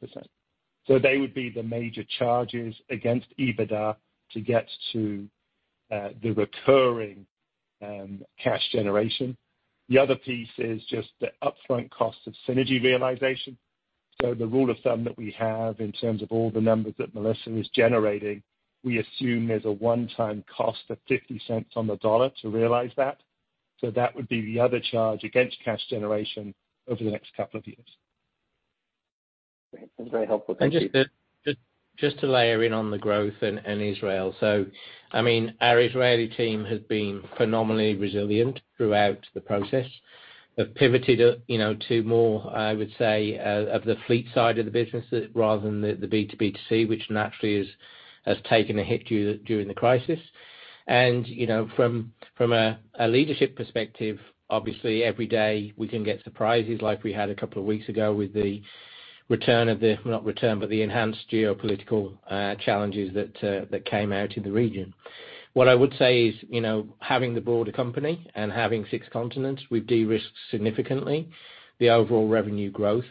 So they would be the major charges against EBITDA to get to the recurring cash generation. The other piece is just the upfront cost of synergy realization. So the rule of thumb that we have in terms of all the numbers that Melissa is generating, we assume there's a one-time cost of $0.50 on the dollar to realize that. So that would be the other charge against cash generation over the next couple of years. Great. That's very helpful. Thank you. Just to layer in on the growth in Israel. So, I mean, our Israeli team has been phenomenally resilient throughout the process. They've pivoted, you know, to more, I would say, of the fleet side of the business rather than the B2B2C, which naturally has taken a hit during the crisis. And, you know, from a leadership perspective, obviously, every day we can get surprises like we had a couple of weeks ago with the return of the... Not return, but the enhanced geopolitical challenges that that came out in the region. What I would say is, you know, having the broader company and having six continents, we've de-risked significantly the overall revenue growth,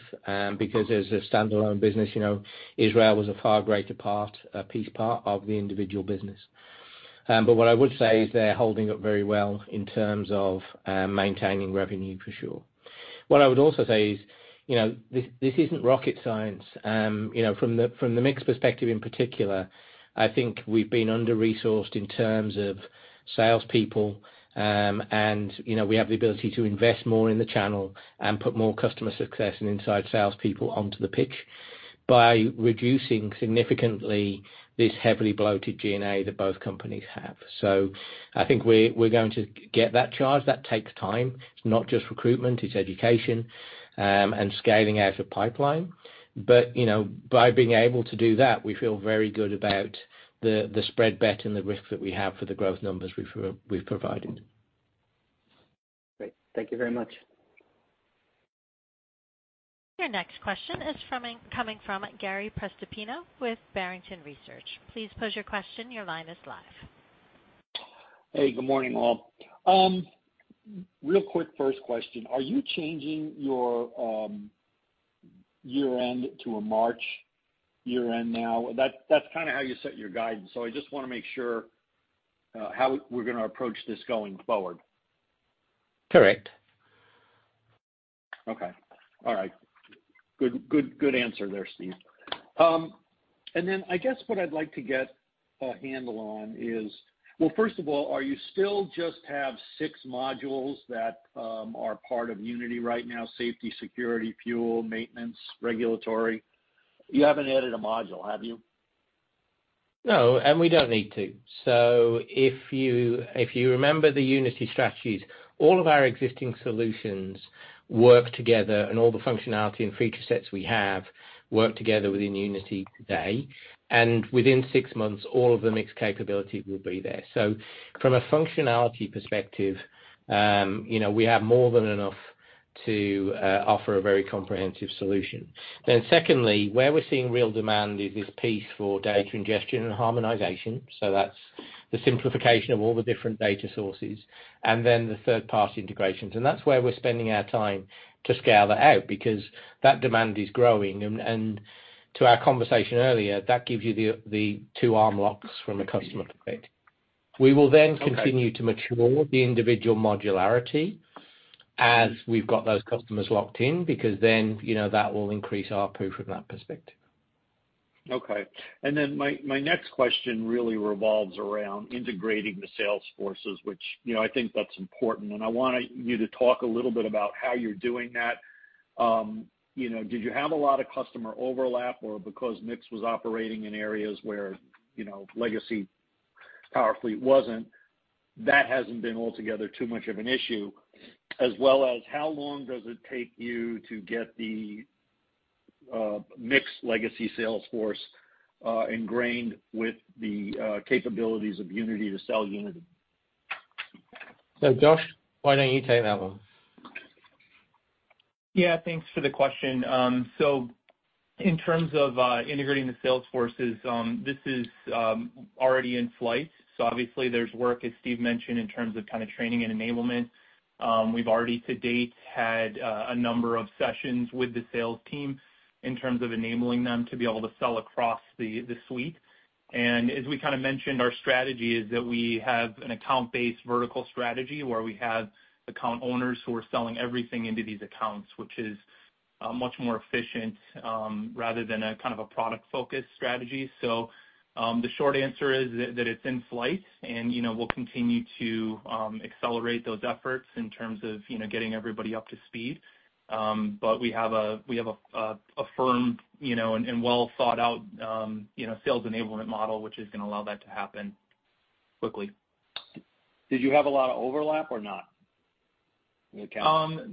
because as a standalone business, you know, Israel was a far greater part, a piece part of the individual business. But what I would say is they're holding up very well in terms of maintaining revenue for sure. What I would also say is, you know, this, this isn't rocket science. You know, from the, from the MiX perspective in particular, I think we've been under-resourced in terms of salespeople. And, you know, we have the ability to invest more in the channel and put more customer success and inside salespeople onto the pitch by reducing significantly this heavily bloated G&A that both companies have. So I think we're going to get that charge. That takes time. It's not just recruitment, it's education, and scaling out the pipeline. But, you know, by being able to do that, we feel very good about the spread bet and the risk that we have for the growth numbers we've provided. Great. Thank you very much. Your next question is coming from Gary Prestopino with Barrington Research. Please pose your question. Your line is live. Hey, good morning, all. Real quick first question, are you changing your year-end to a March year-end now? That, that's kind of how you set your guidance, so I just wanna make sure how we're gonna approach this going forward. Correct. Okay. All right. Good, good, good answer there, Steve. And then I guess what I'd like to get a handle on is... Well, first of all, are you still just have six modules that are part of Unity right now, safety, security, fuel, maintenance, regulatory? You haven't added a module, have you? No, and we don't need to. So if you, if you remember the Unity strategies, all of our existing solutions work together, and all the functionality and feature sets we have work together within Unity today. And within six months, all of the MiX capability will be there. So from a functionality perspective, you know, we have more than enough to offer a very comprehensive solution. Then secondly, where we're seeing real demand is this piece for data ingestion and harmonization, so that's the simplification of all the different data sources, and then the third-party integrations. And that's where we're spending our time to scale that out, because that demand is growing, and to our conversation earlier, that gives you the two arm locks from a customer perspective. We will then continue to mature the individual modularity as we've got those customers locked in, because then, you know, that will increase our proof from that perspective. Okay. And then my next question really revolves around integrating the sales forces, which, you know, I think that's important, and I want you to talk a little bit about how you're doing that. You know, did you have a lot of customer overlap, or because MiX was operating in areas where, you know, legacy Powerfleet wasn't, that hasn't been altogether too much of an issue? As well as, how long does it take you to get the MiX legacy sales force ingrained with the capabilities of Unity to sell Unity? So Josh, why don't you take that one? Yeah, thanks for the question. So in terms of integrating the sales forces, this is already in flight. So obviously, there's work, as Steve mentioned, in terms of kind of training and enablement. We've already to date had a number of sessions with the sales team in terms of enabling them to be able to sell across the suite. And as we kind of mentioned, our strategy is that we have an account-based vertical strategy, where we have account owners who are selling everything into these accounts, which is much more efficient rather than a kind of a product-focused strategy. So the short answer is that it's in flight, and you know, we'll continue to accelerate those efforts in terms of you know, getting everybody up to speed. But we have a firm, you know, and well-thought-out sales enablement model, which is gonna allow that to happen quickly. Did you have a lot of overlap or not, in the account?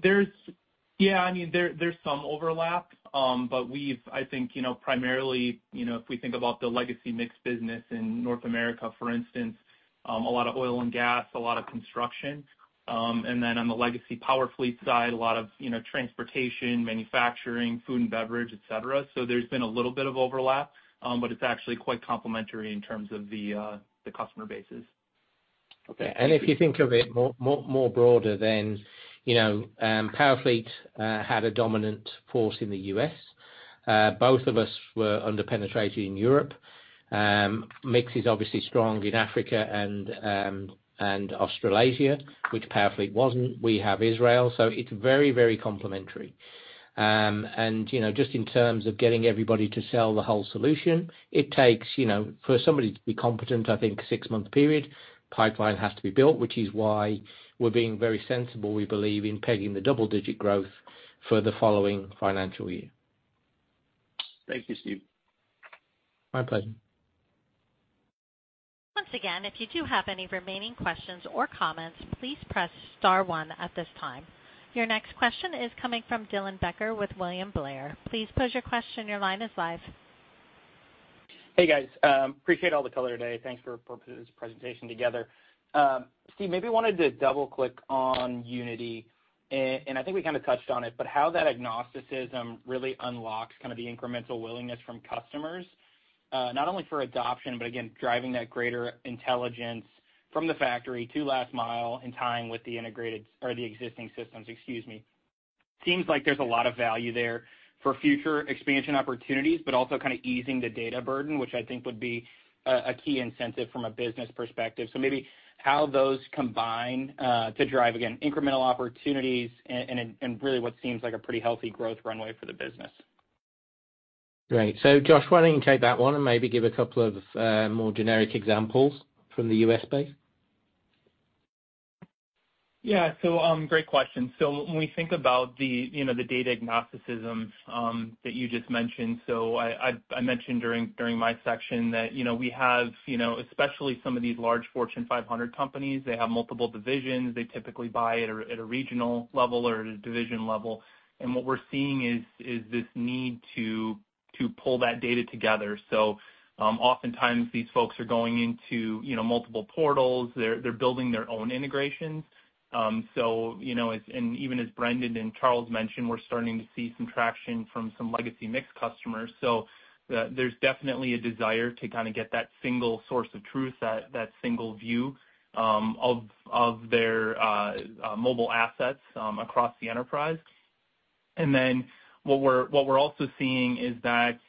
Yeah, I mean, there's some overlap, but we've, I think, you know, primarily, you know, if we think about the legacy MiX business in North America, for instance, a lot of oil and gas, a lot of construction. And then on the legacy Powerfleet side, a lot of, you know, transportation, manufacturing, food and beverage, et cetera. So there's been a little bit of overlap, but it's actually quite complementary in terms of the customer bases. Okay. If you think of it more broader, then, you know, Powerfleet had a dominant force in the U.S. Both of us were under-penetrated in Europe. MiX is obviously strong in Africa and, and Australasia, which Powerfleet wasn't. We have Israel, so it's very, very complementary. And, you know, just in terms of getting everybody to sell the whole solution, it takes, you know, for somebody to be competent, I think, a 6-month period. Pipeline has to be built, which is why we're being very sensible, we believe, in pegging the double-digit growth for the following financial year. Thank you, Steve. My pleasure. Once again, if you do have any remaining questions or comments, please press star one at this time. Your next question is coming from Dylan Becker with William Blair. Please pose your question. Your line is live. Hey, guys. Appreciate all the color today. Thanks for putting this presentation together. Steve, maybe wanted to double-click on Unity, and I think we kind of touched on it, but how that agnosticism really unlocks kind of the incremental willingness from customers, not only for adoption, but again, driving that greater intelligence from the factory to last mile in tying with the integrated, or the existing systems, excuse me. Seems like there's a lot of value there for future expansion opportunities, but also kind of easing the data burden, which I think would be a key incentive from a business perspective. So maybe how those combine to drive, again, incremental opportunities and really what seems like a pretty healthy growth runway for the business. Great. So Josh, why don't you take that one and maybe give a couple of more generic examples from the U.S. base? Yeah. So, great question. So when we think about the, you know, the data agnosticism that you just mentioned, so I mentioned during my section that, you know, we have, you know, especially some of these large Fortune 500 companies, they have multiple divisions. They typically buy at a regional level or at a division level. And what we're seeing is this need to pull that data together. So, oftentimes these folks are going into, you know, multiple portals. They're building their own integrations. So, you know, and even as Brendan and Charles mentioned, we're starting to see some traction from some legacy MiX customers. So, there's definitely a desire to kind of get that single source of truth, that single view of their mobile assets across the enterprise. And then what we're also seeing is that,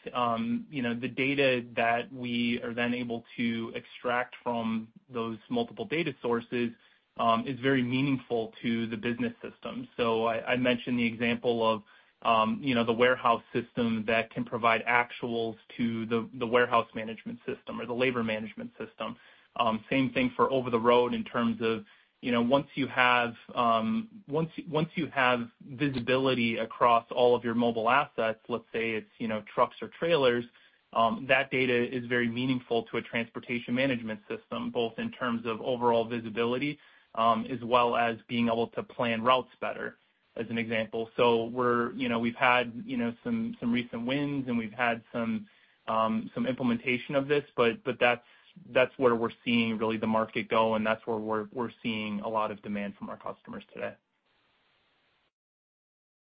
you know, the data that we are then able to extract from those multiple data sources is very meaningful to the business system. So I mentioned the example of, you know, the warehouse system that can provide actuals to the warehouse management system or the labor management system. Same thing for over-the-road in terms of, you know, once you have visibility across all of your mobile assets, let's say it's, you know, trucks or trailers, that data is very meaningful to a transportation management system, both in terms of overall visibility, as well as being able to plan routes better, as an example. So we're, you know, we've had, you know, some, some recent wins, and we've had some, some implementation of this, but, but that's, that's where we're seeing really the market go, and that's where we're, we're seeing a lot of demand from our customers today.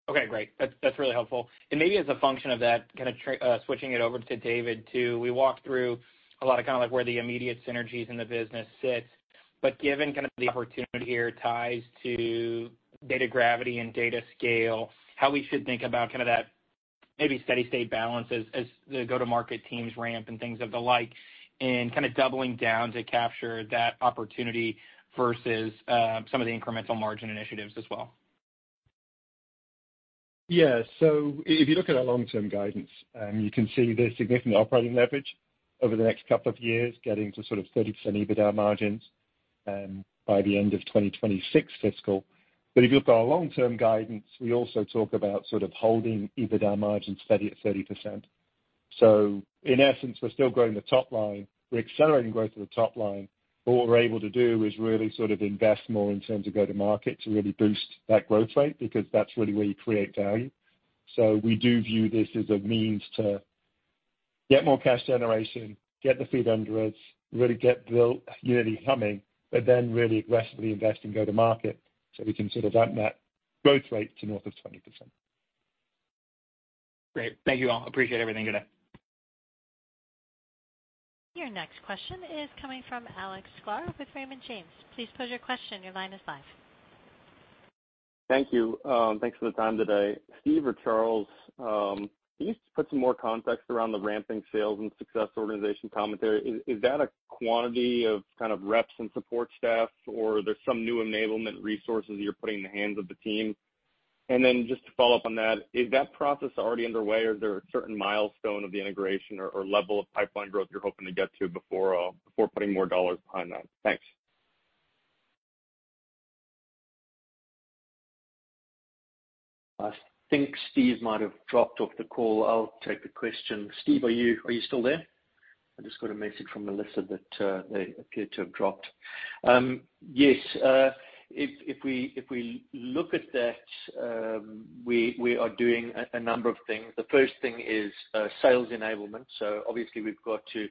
Okay, great. That's, that's really helpful. And maybe as a function of that, kind of switching it over to David, too, we walked through a lot of kind of like where the immediate synergies in the business sit, but given kind of the opportunity here ties to data gravity and data scale, how we should think about kind of that-... maybe steady state balance as the go-to-market teams ramp and things of the like, and kind of doubling down to capture that opportunity versus some of the incremental margin initiatives as well? Yeah. So if you look at our long-term guidance, you can see there's significant operating leverage over the next couple of years, getting to sort of 30% EBITDA margins, by the end of 2026 fiscal. But if you look at our long-term guidance, we also talk about sort of holding EBITDA margins steady at 30%. So in essence, we're still growing the top line. We're accelerating growth to the top line, but what we're able to do is really sort of invest more in terms of go-to-market to really boost that growth rate, because that's really where you create value. So we do view this as a means to get more cash generation, get the feet under us, really get built really humming, but then really aggressively invest in go-to-market, so we can sort of drive that growth rate to north of 20%. Great. Thank you all. Appreciate everything. Good day. Your next question is coming from Alex Sklar with Raymond James. Please pose your question. Your line is live. Thank you. Thanks for the time today. Steve or Charles, can you just put some more context around the ramping sales and success organization commentary? Is that a quantity of kind of reps and support staff, or there's some new enablement resources you're putting in the hands of the team? And then just to follow up on that, is that process already underway, or is there a certain milestone of the integration or level of pipeline growth you're hoping to get to before before putting more dollars behind that? Thanks. I think Steve might have dropped off the call. I'll take the question. Steve, are you still there? I just got a message from Melissa that they appear to have dropped. Yes, if we look at that, we are doing a number of things. The first thing is sales enablement. So obviously, we've got to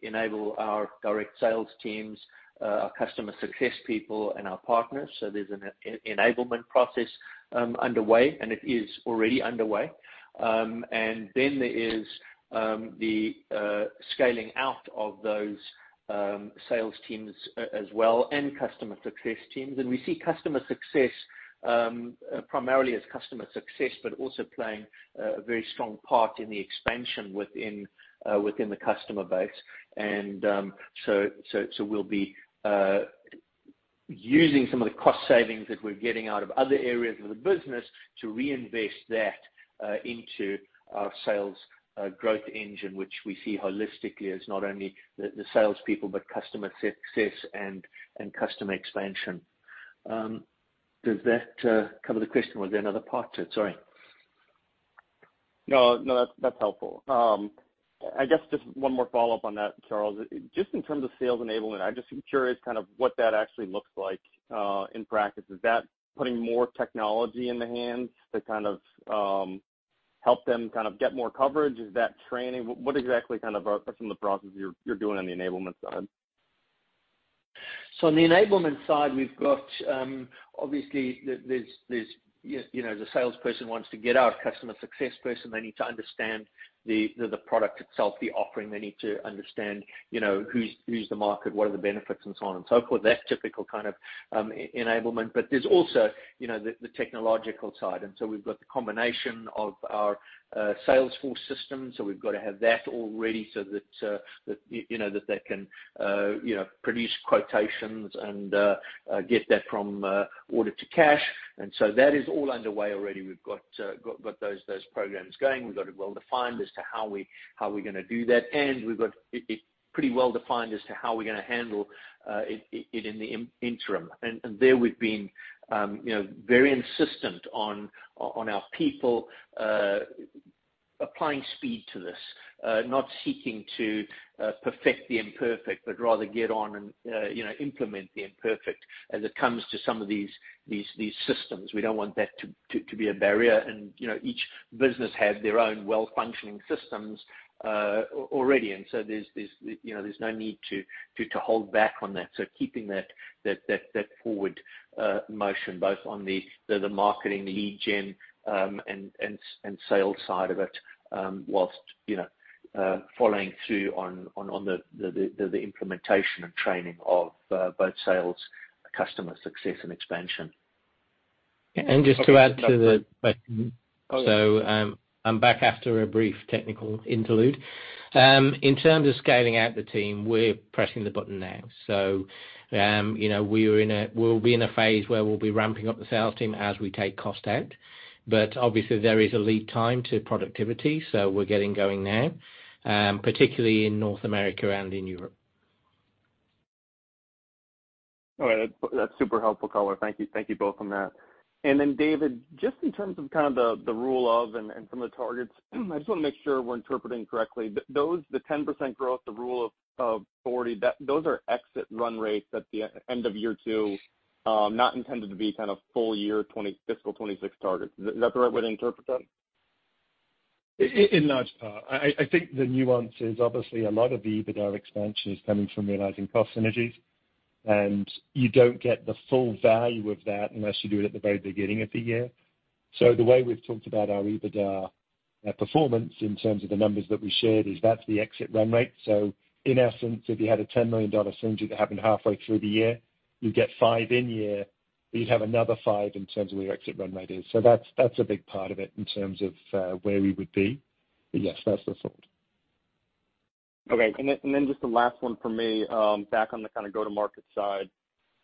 enable our direct sales teams, our customer success people and our partners. So there's an enablement process underway, and it is already underway. And then there is the scaling out of those sales teams as well, and customer success teams. We see customer success primarily as customer success, but also playing a very strong part in the expansion within the customer base. So we'll be using some of the cost savings that we're getting out of other areas of the business to reinvest that into our sales growth engine, which we see holistically as not only the salespeople, but customer success and customer expansion. Does that cover the question? Was there another part to it? Sorry. No, no, that's, that's helpful. I guess just one more follow-up on that, Charles. Just in terms of sales enablement, I'm just curious kind of what that actually looks like in practice. Is that putting more technology in the hands to kind of help them kind of get more coverage? Is that training? What exactly kind of from the process you're doing on the enablement side? So on the enablement side, we've got, obviously, there's, you know, the salesperson wants to get out, customer success person, they need to understand the product itself, the offering. They need to understand, you know, who's the market, what are the benefits, and so on and so forth. That's typical kind of enablement. But there's also, you know, the technological side. And so we've got the combination of our Salesforce system, so we've got to have that already so that, you know, that they can, you know, produce quotations and get that from order to cash. And so that is all underway already. We've got got those programs going. We've got it well defined as to how we're gonna do that, and we've got it pretty well defined as to how we're gonna handle it in the interim. And there we've been, you know, very insistent on our people applying speed to this, not seeking to perfect the imperfect, but rather get on and, you know, implement the imperfect as it comes to some of these systems. We don't want that to be a barrier. And, you know, each business has their own well-functioning systems already, and so there's, you know, there's no need to hold back on that. So keeping that forward motion, both on the marketing, the lead gen, and sales side of it, while, you know, following through on the implementation and training of both sales, customer success, and expansion. Just to add to the question- Oh, yeah. So, I'm back after a brief technical interlude. In terms of scaling out the team, we're pressing the button now. So, you know, we are in a... We'll be in a phase where we'll be ramping up the sales team as we take cost out, but obviously, there is a lead time to productivity, so we're getting going now, particularly in North America and in Europe. All right. That's, that's super helpful, color. Thank you, thank you both on that. And then, David, just in terms of kind of the rule of 40 and some of the targets, I just wanna make sure we're interpreting correctly. Those, the 10% growth, the rule of 40, those are exit run rates at the end of year two, not intended to be kind of full year fiscal 2026 targets. Is that the right way to interpret that? In large part. I think the nuance is obviously a lot of the EBITDA expansion is coming from realizing cost synergies, and you don't get the full value of that unless you do it at the very beginning of the year. So the way we've talked about our EBITDA performance in terms of the numbers that we shared is that's the exit run rate. So in essence, if you had a $10 million synergy that happened halfway through the year, you'd get $5 million in year one... we'd have another $5 million in terms of where your exit runway is. So that's a big part of it in terms of where we would be. But yes, that's the sort. Okay. And then, and then just the last one for me, back on the kind of go-to-market side.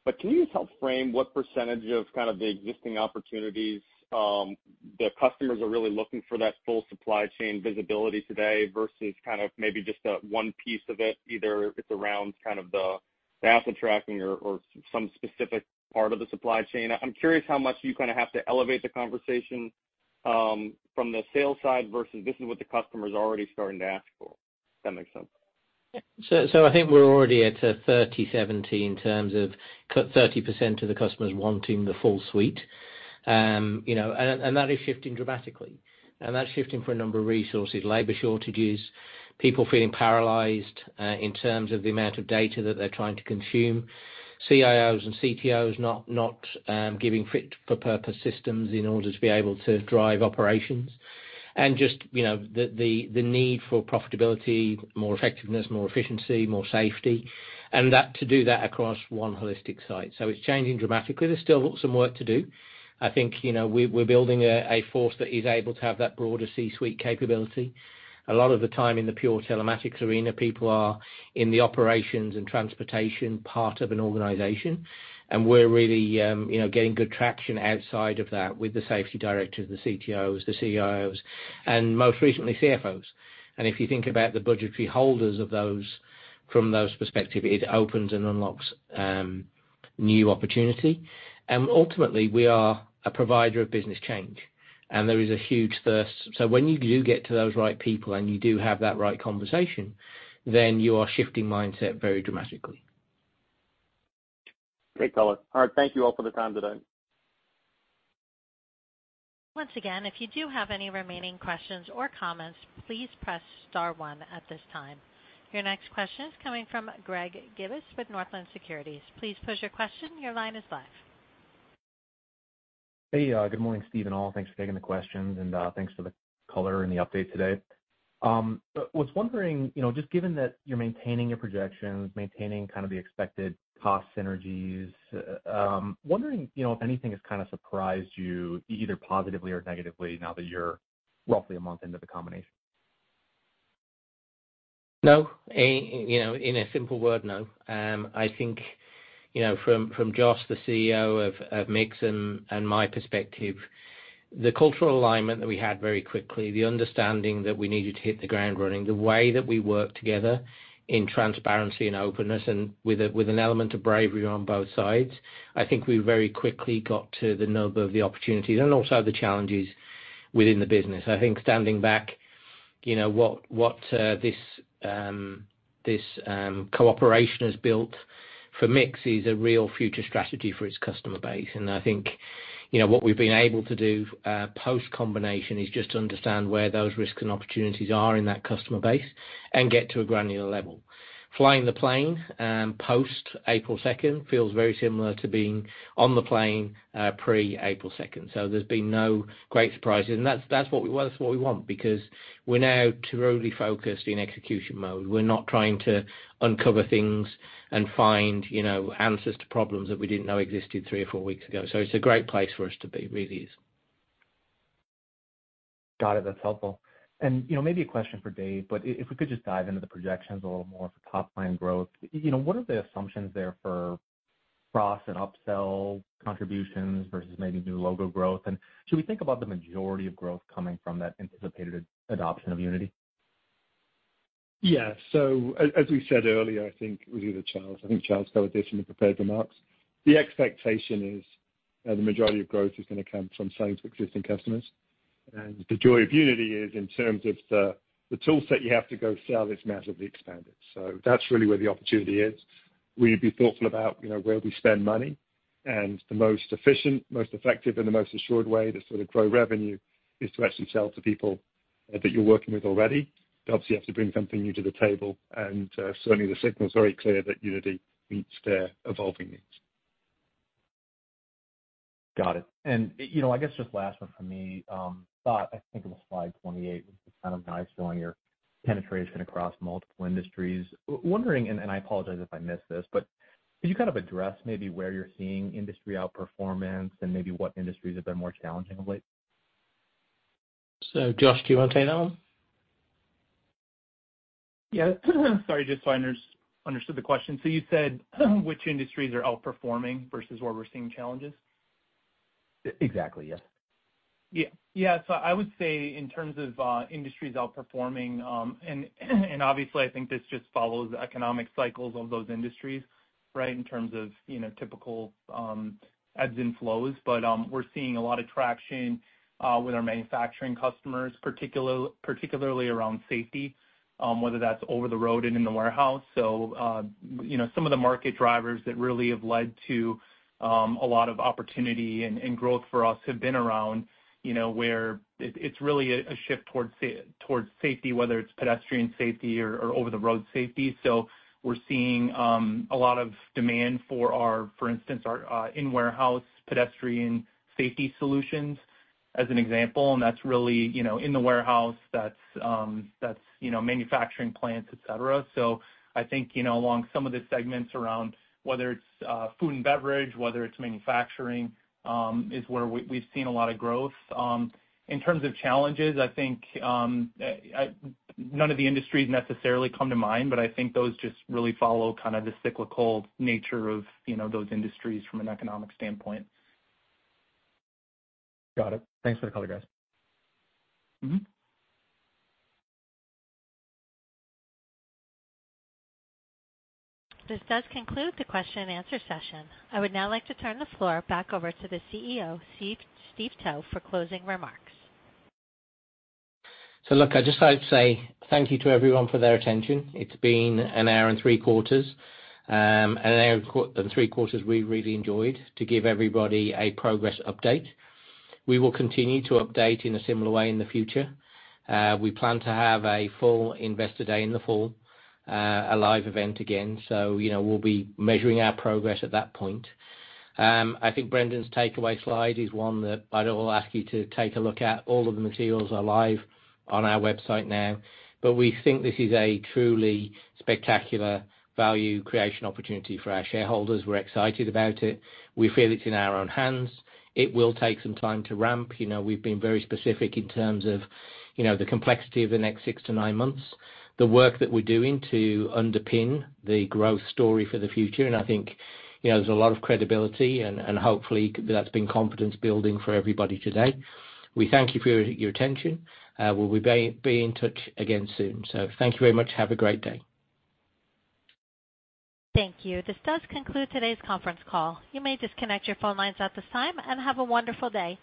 But can you just help frame what percentage of kind of the existing opportunities, the customers are really looking for that full supply chain visibility today versus kind of maybe just the one piece of it, either it's around kind of the, the asset tracking or, or some specific part of the supply chain? I'm curious how much you kind of have to elevate the conversation, from the sales side versus this is what the customer's already starting to ask for, if that makes sense. So I think we're already at a 30/70 in terms of 30% of the customers wanting the full suite. You know, and that is shifting dramatically. And that's shifting for a number of reasons, labor shortages, people feeling paralyzed in terms of the amount of data that they're trying to consume, CIOs and CTOs not giving fit-for-purpose systems in order to be able to drive operations. And just, you know, the need for profitability, more effectiveness, more efficiency, more safety, and that to do that across one holistic site. So it's changing dramatically. There's still some work to do. I think, you know, we, we're building a force that is able to have that broader C-suite capability. A lot of the time in the pure telematics arena, people are in the operations and transportation part of an organization, and we're really, you know, getting good traction outside of that with the safety directors, the CTOs, the CIOs, and most recently, CFOs. If you think about the budgetary holders of those from those perspective, it opens and unlocks new opportunity. Ultimately, we are a provider of business change, and there is a huge thirst. When you do get to those right people and you do have that right conversation, then you are shifting mindset very dramatically. Great color. All right, thank you all for the time today. Once again, if you do have any remaining questions or comments, please press star one at this time. Your next question is coming from Greg Gibbas with Northland Securities. Please pose your question. Your line is live. Hey, good morning, Steve and all. Thanks for taking the questions, and thanks for the color and the update today. Was wondering, you know, just given that you're maintaining your projections, maintaining kind of the expected cost synergies, wondering, you know, if anything has kind of surprised you, either positively or negatively, now that you're roughly a month into the combination? No. you know, in a simple word, no. I think, you know, from, from Josh, the CEO of, of Mix and, and my perspective, the cultural alignment that we had very quickly, the understanding that we needed to hit the ground running, the way that we worked together in transparency and openness and with a, with an element of bravery on both sides, I think we very quickly got to the nub of the opportunities and also the challenges within the business. I think standing back, you know, this cooperation has built for Mix is a real future strategy for its customer base. And I think, you know, what we've been able to do, post-combination is just to understand where those risks and opportunities are in that customer base and get to a granular level. Flying the plane post-April second feels very similar to being on the plane pre-April second. So there's been no great surprises, and that's, that's what we, that's what we want, because we're now thoroughly focused in execution mode. We're not trying to uncover things and find, you know, answers to problems that we didn't know existed three or four weeks ago. So it's a great place for us to be, really is. Got it. That's helpful. And, you know, maybe a question for Dave, but if we could just dive into the projections a little more for top-line growth. You know, what are the assumptions there for cross and upsell contributions versus maybe new logo growth? And should we think about the majority of growth coming from that anticipated adoption of Unity? Yeah. So as we said earlier, I think it was either Charles, I think Charles covered this in the prepared remarks. The expectation is, the majority of growth is gonna come from selling to existing customers. And the joy of Unity is in terms of the toolset you have to go sell is massively expanded. So that's really where the opportunity is. We'd be thoughtful about, you know, where we spend money, and the most efficient, most effective, and the most assured way to sort of grow revenue is to actually sell to people that you're working with already. But obviously, you have to bring something new to the table, and certainly the signal is very clear that Unity meets their evolving needs. Got it. And, you know, I guess just last one from me. But I think it was slide 28, kind of nice showing your penetration across multiple industries. Wondering, and I apologize if I missed this, but could you kind of address maybe where you're seeing industry outperformance and maybe what industries have been more challenging of late? So Josh, do you want to take that one? Yeah. Sorry, just so I understood the question. So you said, which industries are outperforming versus where we're seeing challenges? Exactly, yes. Yeah. Yeah, so I would say in terms of, industries outperforming, and obviously, I think this just follows the economic cycles of those industries, right? In terms of, you know, typical, ebbs and flows. But, we're seeing a lot of traction, with our manufacturing customers, particularly around safety, whether that's over the road and in the warehouse. So, you know, some of the market drivers that really have led to, a lot of opportunity and growth for us have been around, you know, where it, it's really a shift towards safety, whether it's pedestrian safety or over the road safety. So we're seeing, a lot of demand for our, for instance, our in-warehouse pedestrian safety solutions.... As an example, and that's really, you know, in the warehouse, that's, that's, you know, manufacturing plants, et cetera. So I think, you know, along some of the segments around whether it's food and beverage, whether it's manufacturing, is where we've seen a lot of growth. In terms of challenges, I think none of the industries necessarily come to mind, but I think those just really follow kind of the cyclical nature of, you know, those industries from an economic standpoint. Got it. Thanks for the color, guys. Mm-hmm. This does conclude the question and answer session. I would now like to turn the floor back over to the CEO, Steve Towe, for closing remarks. So look, I'd just like to say thank you to everyone for their attention. It's been an hour and three quarters, and an hour and three quarters we really enjoyed to give everybody a progress update. We will continue to update in a similar way in the future. We plan to have a full Investor Day in the fall, a live event again. So, you know, we'll be measuring our progress at that point. I think Brendan's takeaway slide is one that I will ask you to take a look at. All of the materials are live on our website now, but we think this is a truly spectacular value creation opportunity for our shareholders. We're excited about it. We feel it's in our own hands. It will take some time to ramp. You know, we've been very specific in terms of, you know, the complexity of the next six to nine months, the work that we're doing to underpin the growth story for the future. I think, you know, there's a lot of credibility and, and hopefully that's been confidence building for everybody today. We thank you for your attention. We'll be in touch again soon. Thank you very much. Have a great day. Thank you. This does conclude today's conference call. You may disconnect your phone lines at this time, and have a wonderful day.